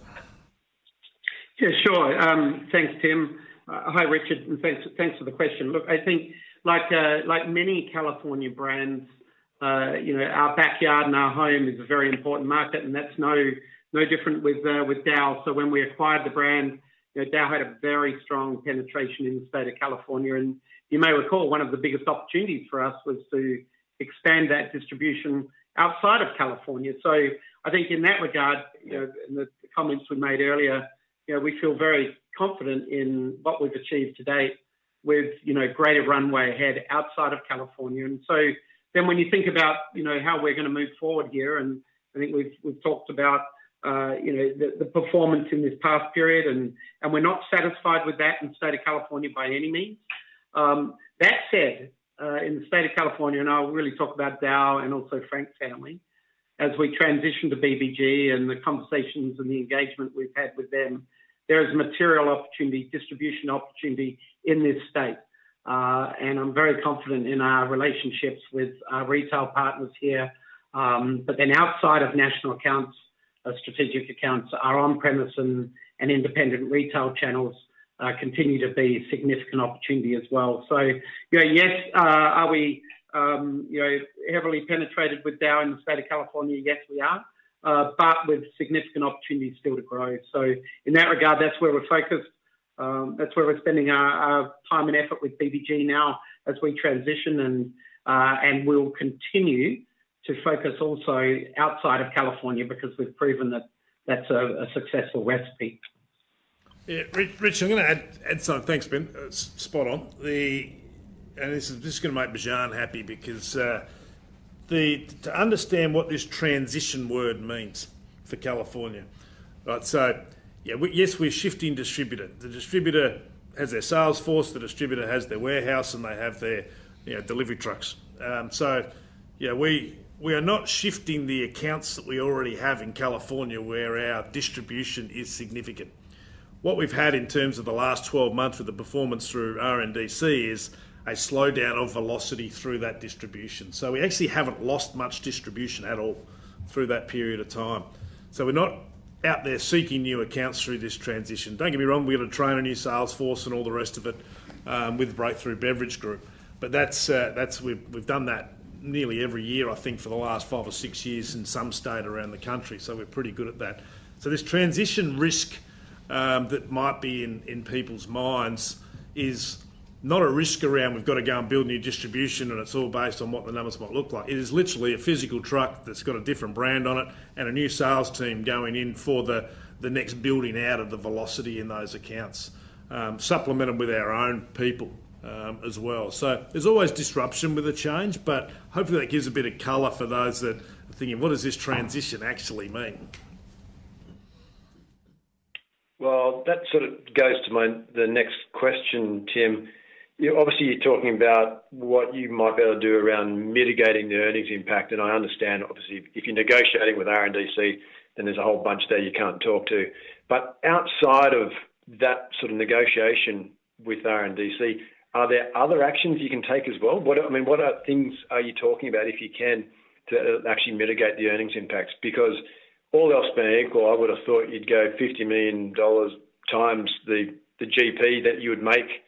Yeah, sure. Thanks, Tim. Hi, Richard, and thanks for the question. Look, I think like many California brands, our backyard and our home is a very important market and that's no different with DAOU. When we acquired the brand, DAOU had a very strong penetration in the state of California. You may recall one of the biggest opportunities for us was to expand that distribution outside of California. In that regard, the comments we made earlier, we feel very confident in what we've achieved to date with greater runway ahead outside of California. When you think about how we're going to move forward here, I think we've talked about the performance in this past period and we're not satisfied with that in the state of California by any means. That said, in the state of California, and I'll really talk about DAOU and also Frank Family as we transition to BBG and the conversations and the engagement we've had with them, there is material opportunity, distribution opportunity in this state and I'm very confident in our relationships with our retail partners here. Outside of national accounts, strategic accounts, our on-premise and independent retail channels continue to be a significant opportunity as well. Yes, are we heavily penetrated with DAOU in the state of California? Yes, we are, but with significant opportunities still to grow. In that regard, that's where we're focused. That's where we're spending our time and effort with BBG now as we transition. We'll continue to focus also outside of California because we've proven that that's a successful recipe. Rich, I'm going to add some. Thanks, Ben. Spot on. This is just going to make Bijan happy because to understand what this transition word means for California. Yes, we're shifting distributor. The distributor has their sales force, the distributor has their warehouse, and they have their, you know, delivery trucks. You know, we are not shifting the accounts that we already have in California where our distribution is significant. What we've had in terms of the last 12 months with the performance through RNDC is a slowdown of velocity through that distribution. We actually haven't lost much distribution at all through that period of time. We're not out there seeking new accounts through this transition. Don't get me wrong, we've got to train a new salesforce and all the rest of it with Breakthru Beverage Group. We've done that nearly every year, I think for the last five or six years in some state around the country. We're pretty good at that. This transition risk that might be in people's minds is not a risk around we've got to go and build new distribution. It's all based on what the numbers might look like. It is literally a physical truck that's got a different brand on it and a new sales team going in for the next building out of the velocity in those accounts supplemented with our own people as well. There's always disruption with the change, but hopefully that gives a bit of color for those that are thinking, what does this transition actually mean? That sort of goes to the next question, Tim. Obviously you're talking about what you might be able to do around mitigating the earnings impact. I understand, obviously if you're negotiating with RNDC, then there's a whole bunch there you can't talk to. Outside of that sort of negotiation with RNDC, are there other actions you can take as well? I mean, what things are you talking about, if you can, to actually mitigate the earnings impacts? Because all else being equal, I would have thought you'd go $50 million times the GP that you would make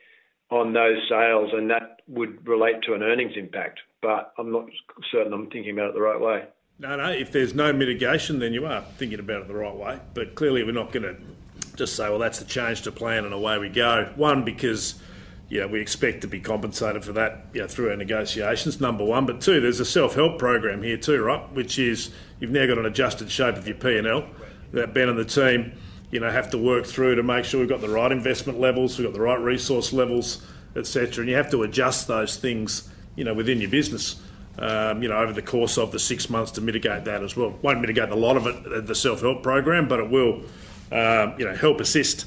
on those sales and that would relate to an earnings impact. I'm not certain I'm thinking about it the right way. No, no, if there's no mitigation, then you are thinking about it the right way. Clearly, we're not going to just say, that's the change to plan and away we go. One, because we expect to be compensated for that through our negotiations, number one. Two, there's a self help program here too, which is you've now got an adjusted shape of your P&L that Ben and the team have to work through to make sure we've got the right investment levels, we've got the right resource levels, et cetera. You have to adjust those things within your business over the course of the six months to mitigate that as well. The self help program won't mitigate a lot of it, but it will help assist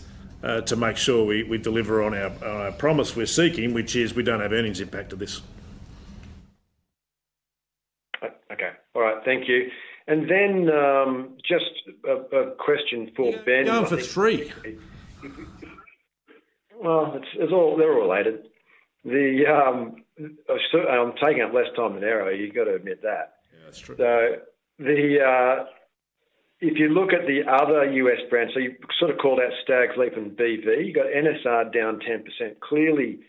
to make sure we deliver on our promise we're seeking, which is we don't have earnings impact of this. Okay, all right, thank you. Just a question for Ben. Going for three. They're all related. I'm taking up less time than Arrow. You've got to admit that. If you look at the other U.S. brands, so you sort of call that Stag's Leap and BV, you got NSR down 10%. Clearly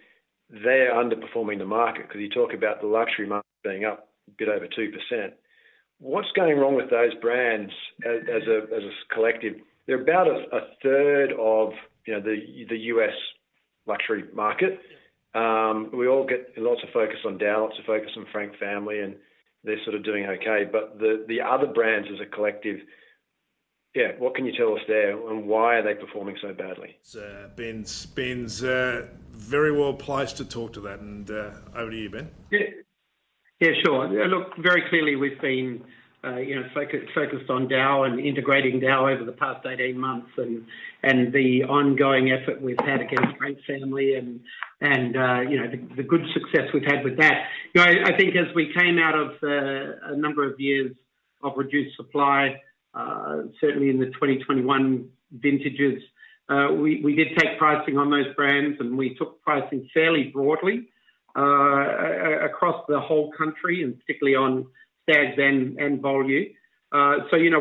they're underperforming the market because you talk about the luxury market being up a bit over 2%. What's going wrong with those brands as a collective? They're about a third of the U.S. luxury market. We all get lots of focus on DAOU, focus on Frank Family, and they're sort of doing okay, but the other brands as a collective. Yeah. What can you tell us there, and why are they performing so badly? Ben's very well placed to talk to that. Over to you, Ben. Yeah, sure. Look, very clearly we've been focused on DAOU and integrating DAOU over the past 18 months and the ongoing effort we've had against Rent Family and the good success we've had with that. I think as we came out of a number of years of reduced supply, certainly in the 2021 vintages, we did take pricing on those brands and we took pricing fairly broadly across the whole country and particularly on.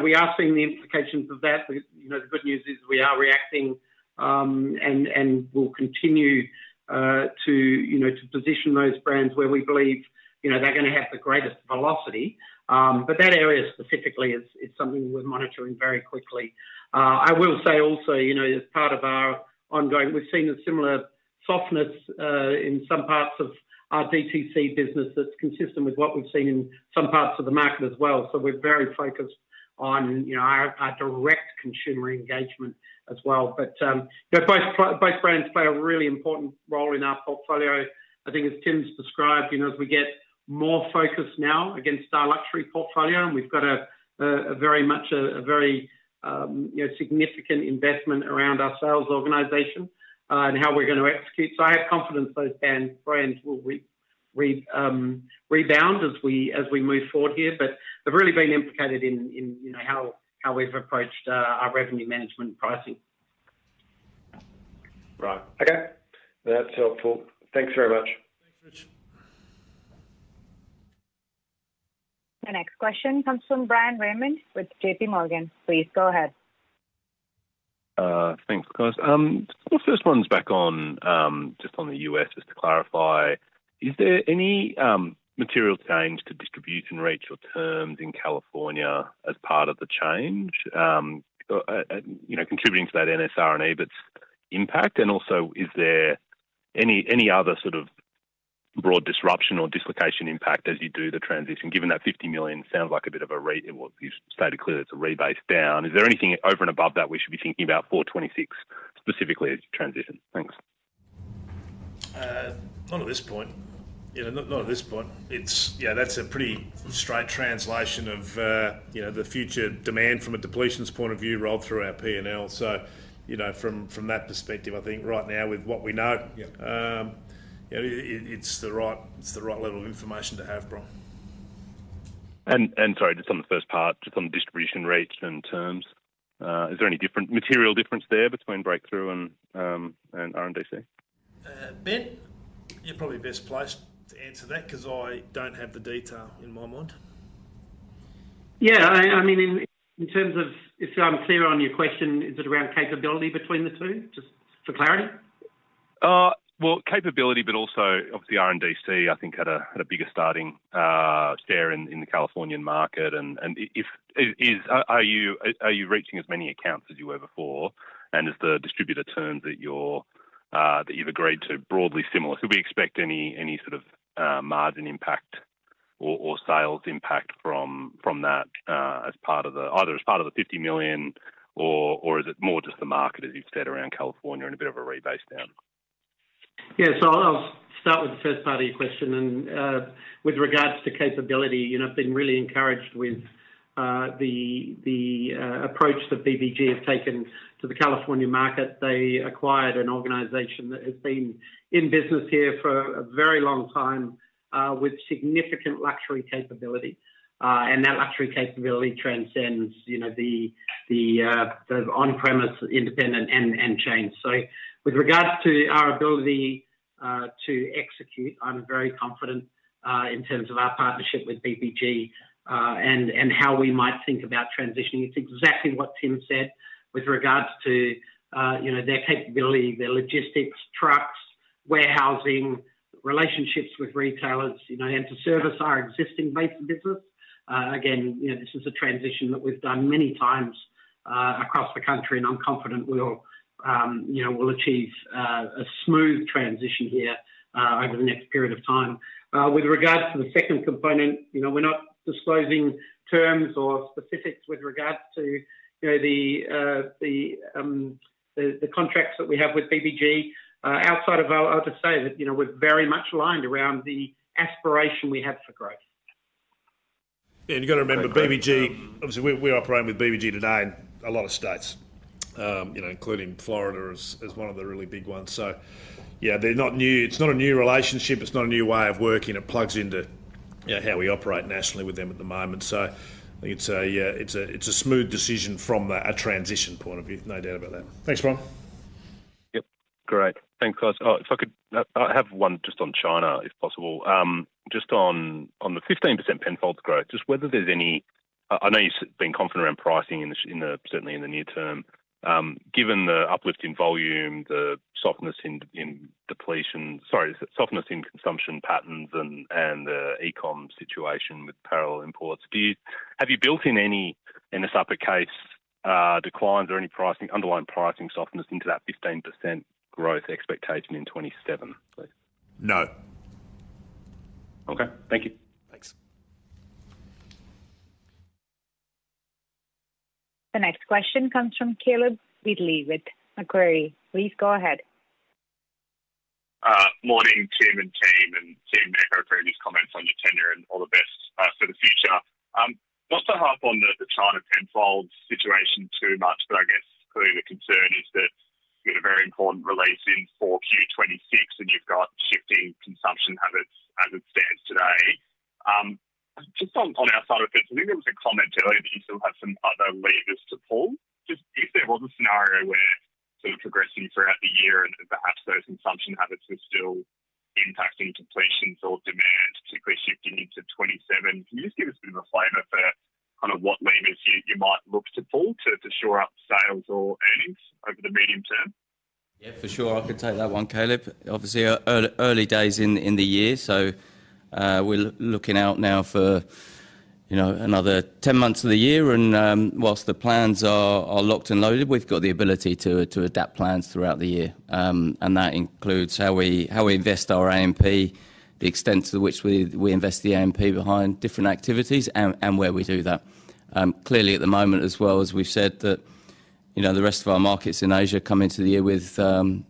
We are seeing the implications of that. The good news is we are reacting and we'll continue to position those brands where we believe they're going to have the greatest velocity. That area specifically is something we're monitoring very quickly. I will say also, as part of our ongoing, we've seen a similar softness in some parts of our DTC business that's consistent with what we've seen in some parts of the market as well. We're very focused on our direct consumer engagement as well. Both brands play a really important role in our portfolio. I think as Tim's described, as we get more focus now against our luxury portfolio and we've got very much a very significant investment around our sales organization and how we're going to execute, I have confidence those brands will rebound as we move forward here. They've really been implicated in how we've approached our revenue management pricing. Right, okay, that's helpful. Thanks very much. Our next question comes from Bryan Raymond with JPMorgan. Please go ahead. Thanks guys. The first one's back on, just on the U.S. just to clarify, is there any material change to distribution reach or terms in California as part of the change, you know, contributing to that NSR and EBIT's impact? Also, is there any other sort of broad disruption or dislocation impact as you do the transition? Given that $50 million sounds like a bit of a, you stated clearly it's a rebase down. Is there anything over and above that we should be thinking about $4.26 specifically as you transition? Thanks. Not at this point. Not at this point. That's a pretty straight translation of the future demand from a depletions point of view rolled through our P&L. From that perspective, I think right now with what we know, it's the right level of information to have. Sorry, just on the first part, just on distribution rates and terms, is there any material difference there between Breakthru and RNDC? Ben, you're probably best placed to answer that because I don't have the detail in my mind. Yeah, I mean, in terms of if I'm clear on your question, is it around capability between the two just for clarity? The capability but also of the RNDC I think had a bigger starting share in the Californian market. Are you reaching as many accounts as you were before, and is the distributor term that you've agreed to broadly similar? Should we expect any sort of margin impact or sales impact from that as part of the either as part of the $50 million, or is it more just the market as you've said around California and a bit of a rebase down? Yes. I'll start with the first part of your question. With regards to capability, I've been really encouraged with the approach that BBG have taken to the California market. They acquired an organization that has been in business here for a very long time with significant luxury capability. That luxury capability transcends the on premise, independent, and chain. With regards to our ability to execute, I'm very confident in terms of our partnership with BBG and how we might think about transitioning. It's exactly what Tim said with regards to their capability, their logistics, trucks, warehousing, relationships with retailers, and to service our existing base of business. This is a transition that we've done many times across the country and I'm confident we'll achieve a smooth transition here over the next period of time. With regards to the second component, we're not disclosing terms or specifics with regards to the contracts that we have with BBG. I would say that we're very much aligned around the aspiration we have for growth. have to remember BBG, obviously we operate with BBG today in a lot of states, including Florida, which is one of the really big ones. They're not new. It's not a new relationship, it's not a new way of working. It plugs into how we operate nationally with them at the moment. It's a smooth decision from a transition point of view. No doubt about that. Thanks, [Ron]. Yep. Great. Thanks guys. If I could have one just on China if possible, just on the 15% Penfolds growth, just whether there's any. I know you've been confident around pricing certainly in the near term given the uplift in volume, the softness in depletion, sorry, softness in consumption patterns and the e-comm situation with parallel imports. Have you built in any NSR declines or any underlying pricing softness into that 15% growth expectation in 2027? No. Okay, thank you. Thanks. The next question comes from Caleb Wheatley with Macquarie. Please go ahead. Morning Tim and team. Tim, echo previous comments on your tenure and all the best for the future. Not to harp on the China Penfolds situation too much, but I guess clearly the concern is that you've got a very important release in for Q2 2026 and you've got shifting consumption habits as it stands today. Just on our side of this, I think there was a comment that you still have some other levers to pull. If there was a scenario where sort of progressive throughout the year and perhaps those consumption habits were still impacting completions or demand, particularly shifting into 2027, can you just give us a bit of a flavor for kind of what levers you might look to pull to shore up sales or earnings over the medium term? Yeah, for sure. I could take that one, Caleb. Obviously, early days in the year, so we're looking out now for another 10 months of the year. Whilst the plans are locked and loaded, we've got the ability to adapt plans throughout the year. That includes how we invest our AMP, the extent to which we invest the AMP behind different activities and where we do that. Clearly at the moment, as we said, the rest of our markets in Asia come into the year with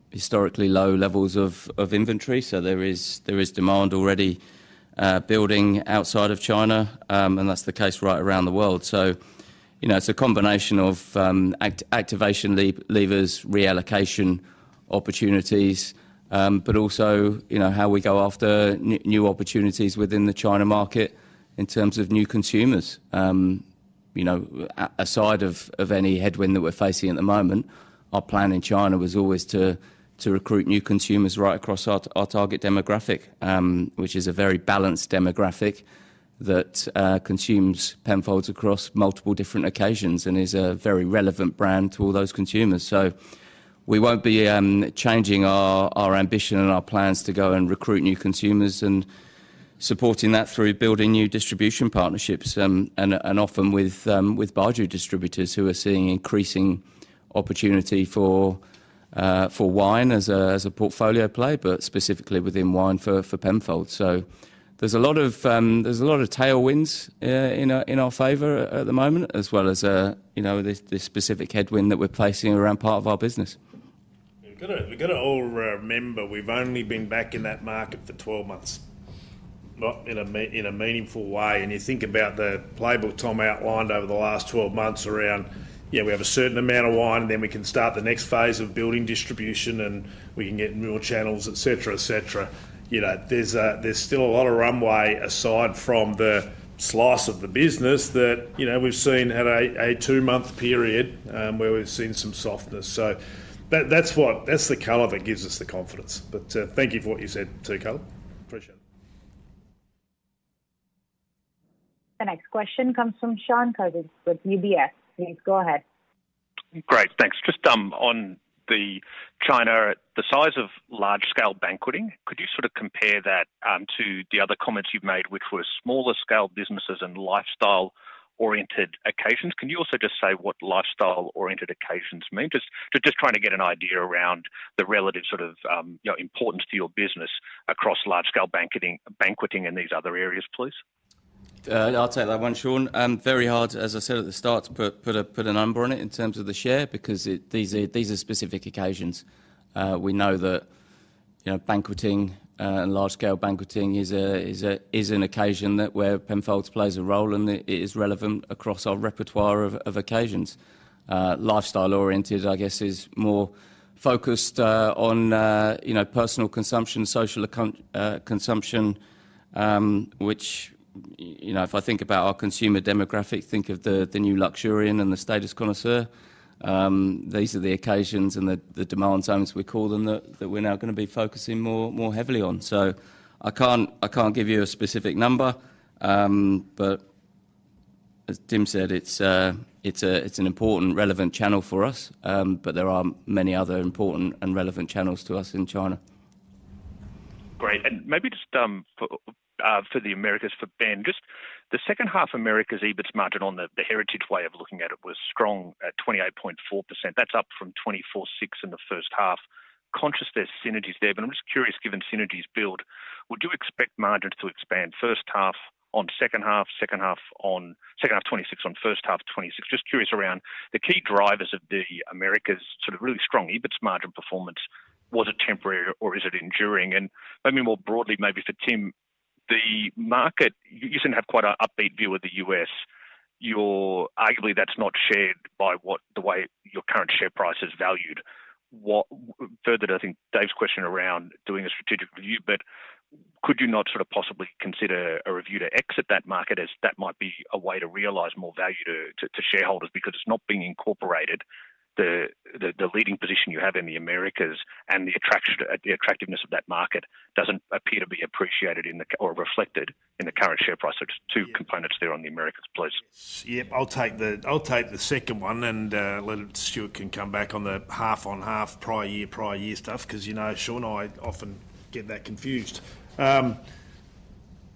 historically low levels of inventory. There is demand already building outside of China and that's the case right around the world. It's a combination of activation levers, reallocation opportunities, but also how we go after new opportunities within the China market in terms of new consumers. Aside of any headwind that we're facing at the moment, our plan in China was always to recruit new consumers right across our target demographic, which is a very balanced demographic that consumes Penfolds across multiple different occasions and is a very relevant brand to all those consumers. We won't be changing our ambition and our plans to go and recruit new consumers and supporting that through building new distribution partnerships and often with Baijiu distributors who are seeing increasing opportunity for wine as a portfolio play, but specifically within wine for Penfolds. There's a lot of tailwinds in our favor at the moment, as well as this specific headwind that we're placing around part of our business. We've got to all remember we've only been back in that market for 12 months, not in a meaningful way. You think about the playbook Tom outlined over the last 12 months around, yeah, we have a certain amount of wine and then we can start the next phase of building distribution and we can get more channels, et cetera, et cetera. There's still a lot of runway aside from the slice of the business that, you know, we've seen a two month period where we've seen some softness. That's the color that gives us the confidence. Thank you for what you said to [Cal]. The next question comes from Shaun Cousins with UBS. Please go ahead. Great, thanks. Just on China, the size of large scale banqueting, could you sort of compare that to the other comments you've made, which were smaller scale businesses and lifestyle oriented occasions? Can you also just say what lifestyle oriented occasions mean? Just trying to get an idea around the relative sort of importance to your business across large scale banqueting and these other areas, please. I'll take that one, Shaun. Very hard, as I said at the start, to put a number on it in terms of the share because these are specific occasions. We know that banqueting and large-scale banqueting is an occasion where Penfolds plays a role, and it is relevant across our repertoire of occasions. Lifestyle-oriented, I guess, is more focused on personal consumption, social consumption, which, if I think about our consumer demographic, think of the new Luxurian and the status connoisseur. These are the occasions and the demand zones, we call them, that we're now going to be focusing more heavily on. I can't give you a specific number, but as Tim said, it's an important, relevant channel for us. There are many other important and relevant channels to us in China. Great. Maybe just for the Americas for Ben, the second half Americas EBITDA margin on the heritage way of looking at it was strong at 28.4%. That's up from 24.6% in the first half, conscious of synergies there. I'm just curious, given synergies build, would you expect margins to expand? First half on second half? Second half on second half? 26% on first half 26%. Just curious around the key drivers of the Americas sort of really strong EBIT margin performance. Was it temporary or is it enduring? More broadly, maybe for Tim, the market, you seem to have quite an upbeat view of the U.S. Arguably, that's not shared by the way your current share price is valued. Further, I think Dave's question around doing a strategic view, but could you not possibly consider a review to exit that market, as that might be a way to realize more value to shareholders because it's not being incorporated? The leading position you have in the Americas and the attractiveness of that market doesn't appear to be appreciated or reflected in the current share price. Just two components there on the Americas, please. Yep. I'll take the second one and Stuart can come back on the half, on half prior year, prior year stuff. Because, you know, Shaun, I often get that confused.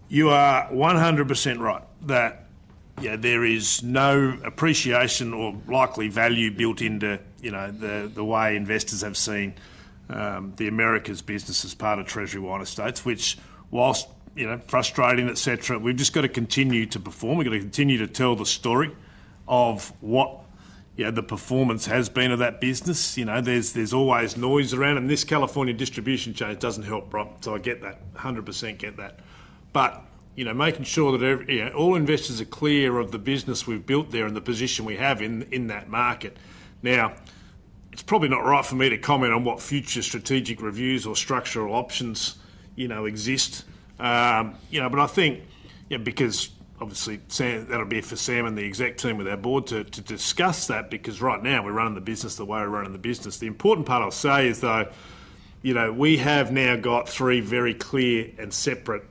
You are 100% right that there is no appreciation or likely value built into the way investors have seen the Americas business as part of Treasury Wine Estates, which, whilst frustrating, etc., we've just got to continue to perform. We've got to continue to tell the story of what the performance has been of that business. There's always noise around them, this California distribution chain. It doesn't help, [Rob]. I get that 100%, get that. Making sure that all investors are clear of the business we've built there and the position we have in that market. Now, it's probably not right for me to comment on what future strategic reviews or structural options exist, but I think, because obviously that'll be for Sam and the exec team with our board to discuss that. Right now we're running the business the way we're running the business. The important part I'll say is, though, we have now got three very clear and separate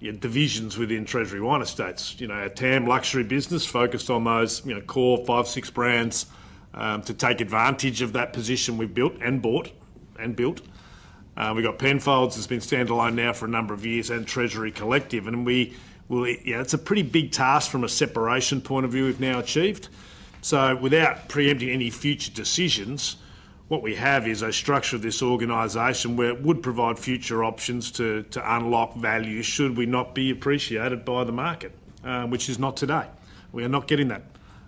divisions within Treasury Wine Estates. Our TAM luxury business focused on those core five, six brands to take advantage of that position we've built and bought and built. We've got Penfolds, has been standalone now for a number of years, and Treasury Collective. It's a pretty big task from a separation point of view. We've now achieved so without preempting any future decisions. What we have is a structure of this organization where it would provide future options to unlock value should we not be appreciated by the market, which is not today. We are not getting that,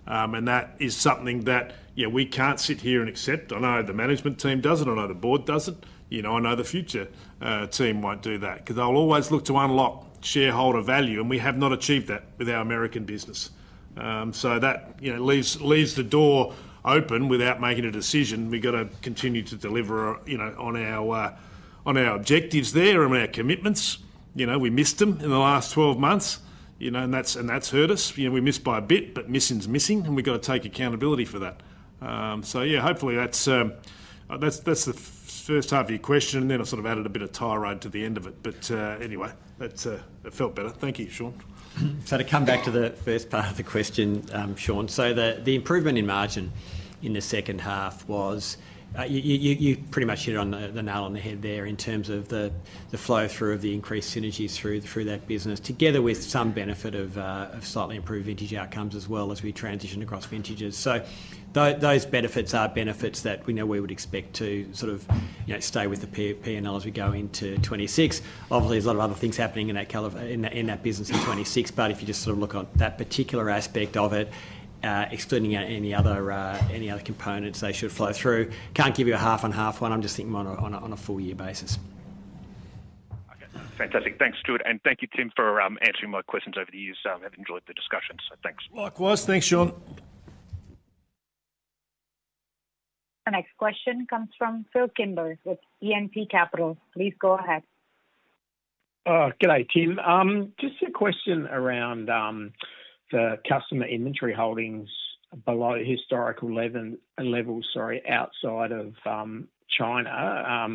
and that is something that we can't sit here and accept. I know the management team doesn't. I know the board doesn't. I know the future team won't do that because they'll always look to unlock shareholder value. We have not achieved that with our American business. That leaves the door open without making a decision. We gotta continue to deliver on our objectives there and our commitments. We missed them in the last 12 months, and that's hurt us. We missed by a bit, but missing's missing and we've got to take accountability for that. Hopefully that's the first half of your question. Then I sort of added a bit of tirade to the end of it, but anyway, it felt better. Thank you, Shaun. To come back to the first part of the question, Shaun. The improvement in margin in the second half was, you pretty much hit it on the nail on the head there in terms of the flow through of the increased synergies through that business, together with some benefit of slightly improved vintage outcomes as well as we transition across vintages. Those benefits are benefits that we know we would expect to sort of stay with the P&L as we go into 2026. Obviously, there's a lot of other things happening in that business in 2026, but if you just sort of look on that particular aspect of it, excluding any other components, they should flow through. Can't give you a half and half one. I'm just thinking on a full year basis. Fantastic. Thanks, Stuart. Thank you, Tim, for answering my questions over the years. I have enjoyed the discussion, so thanks. Likewise, thanks, Shaun. The next question comes from Phil Kimber with E&P Capital. Please go ahead. Oh, good day, Tim. Just a question around the customer inventory holdings below historical levels, sorry, outside of China.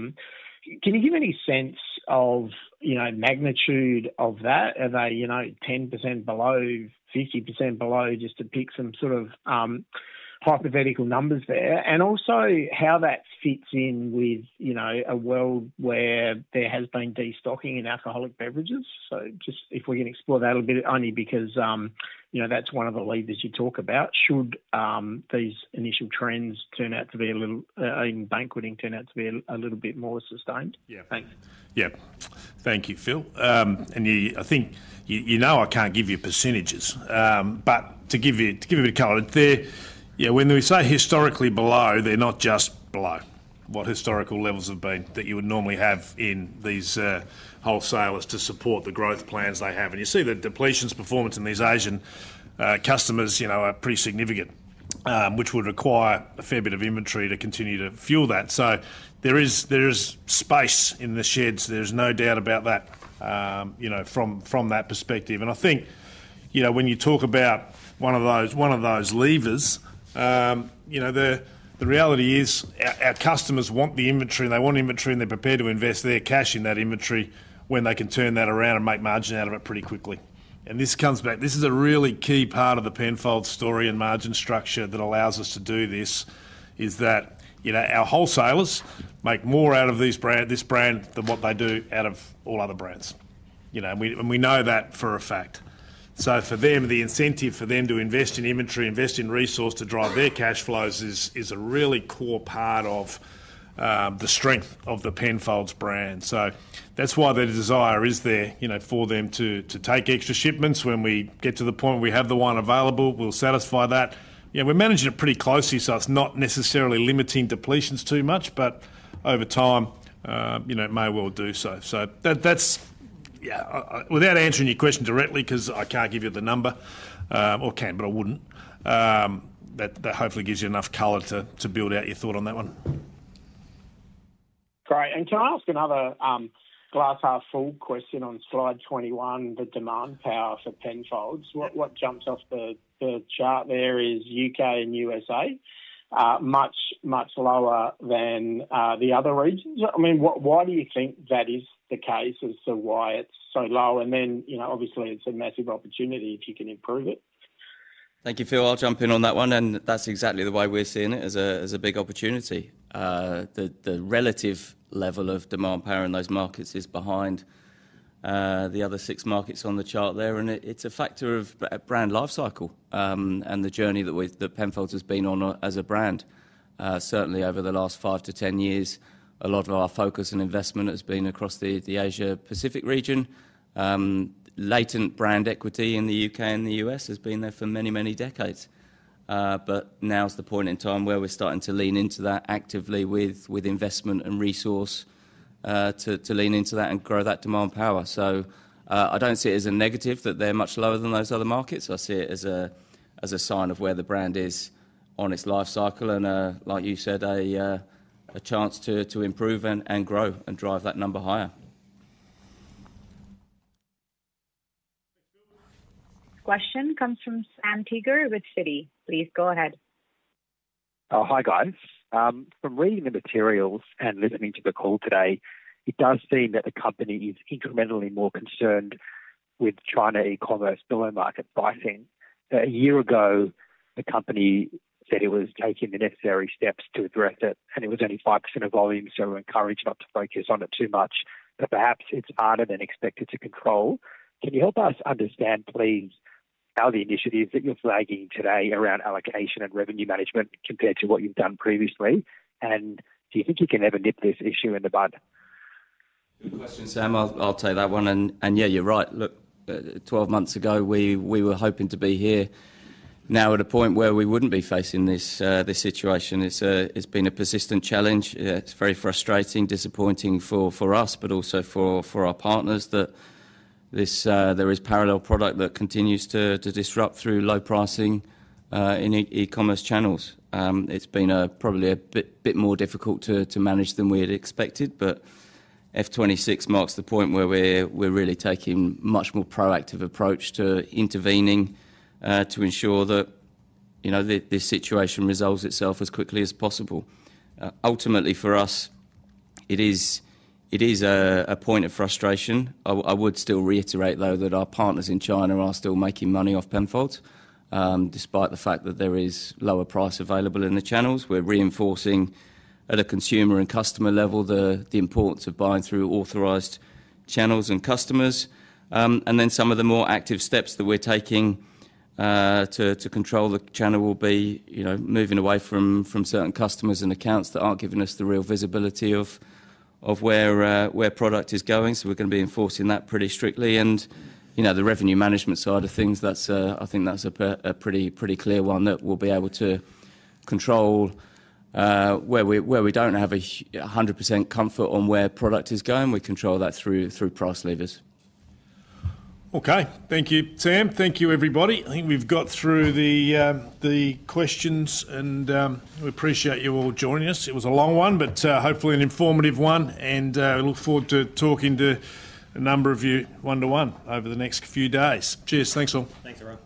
Can you give any sense of, you know, magnitude of that? Are they, you know, 10% below, 50% below, just to pick some sort of hypothetical numbers there, and also how that fits in with, you know, a world where there has been destocking in alcoholic beverages. Just if we can explore that a bit. Only because, you know, that's one of the levers you talk about, should these initial trends turn out to be a. Little, in banqueting, turn out to be a little bit more sustained. Yeah, thanks. Thank you, Phil. I think, you know, I can't give you percentages, but to give you a bit of color there. When we say historically below, they're not just below what historical levels have been that you would normally have in these wholesalers to support the growth plans they have. You see the depletions, performance in these Asian customers are pretty significant, which would require a fair bit of inventory to continue to fuel that. There is space in the sheds, there's no doubt about that from that perspective. I think, you know, when you talk about one of those levers, the reality is our customers want the inventory and they want inventory and they're prepared to invest their cash in that inventory when they can turn that around and make margin out of it pretty quickly. This comes back, this is a really key part of the Penfolds story and margin structure that allows us to do this, is that our wholesalers make more out of this brand than what they do out of all other brands, and we know that for a fact. For them, the incentive to invest in inventory, invest in resource to drive their cash flows is a really core part of the strength of the Penfolds brand. That's why their desire is there for them to take extra shipments. When we get to the point we have the wine available, we'll satisfy that. We're managing it pretty closely. It's not necessarily limiting depletions too much, but over time, it may well do so. Without answering your question directly because I can't give you the number or can, but I wouldn't. That hopefully gives you enough color to build out your thought on that one. Great. Can I ask another glass half full question on slide 21, the demand power for Penfolds? What jumps off the chart there is U.K. and U.S.A. much, much lower than the other regions. Do you think that is the case as to why it's so low, and then obviously it's a massive opportunity? If you can improve it. Thank you, Phil. I'll jump in on that one. That's exactly the way we're seeing it, as a big opportunity. The relative level of demand power in those markets is behind the other six markets on the chart there. It's a factor of brand life cycle and the journey that Penfolds has been on as a brand certainly over the last five to 10 years. A lot of our focus and investment has been across the Asia Pacific region. Latent brand equity in the U.K. and the U.S. has been there for many, many decades. Now's the point in time where we're starting to lean into that actively with investment and resource to lean into that and grow that demand power. I don't see it as a negative that they're much lower than those other markets. I see it as a sign of where the brand is on its life cycle and like you said, a chance to improve and grow and drive that number higher. Question comes from Sam Teeger with Citi. Please go ahead. Hi guys. From reading the materials and listening to the call today, it does seem that the company is incrementally more concerned with China e-commerce below market Bison. A year ago the company said it was taking the necessary steps to address it and it was only 5% of volume. We're encouraged not to focus on it too much, but perhaps it's harder than expected to control. Can you help us understand, please, how the initiatives that you're flagging today around allocation and revenue management compared to what you've done previously? Do you think you can ever did this issue in the budget? Sam, I'll take that one. Yeah, you're right. Look, 12 months ago we were hoping to be here now at a point where we wouldn't be facing this situation. It's been a persistent challenge. It's very frustrating, disappointing for us, but also for our partners that there is parallel product that continues to disrupt through low pricing in e-commerce channels. It's been probably a bit more difficult to manage than we had expected. F 2026 marks the point where we're really taking a much more proactive approach to intervening to ensure that this situation resolves itself as quickly as possible. Ultimately, for us, it is a point of frustration. I would still reiterate, though, that our partners in China are still making money off Penfolds despite the fact that there is lower price available in the channels. We're reinforcing at a consumer and customer level the importance of buying through authorized channels and customers. Some of the more active steps that we're taking to control the channel will be moving away from certain customers and accounts that aren't giving us the real visibility of where product is going. We're going to be enforcing that pretty strictly. The revenue management side of things, I think that's a pretty clear one that we'll be able to control where we don't have 100% comfort on where product is going. We control that through price levers. Okay, thank you, Sam. Thank you, everybody. I think we've got through the questions and we appreciate you all joining us. It was a long one, but hopefully an informative one and we look forward to talking to a number of you one to one over the next few days. Cheers. Thanks all. Thanks everyone.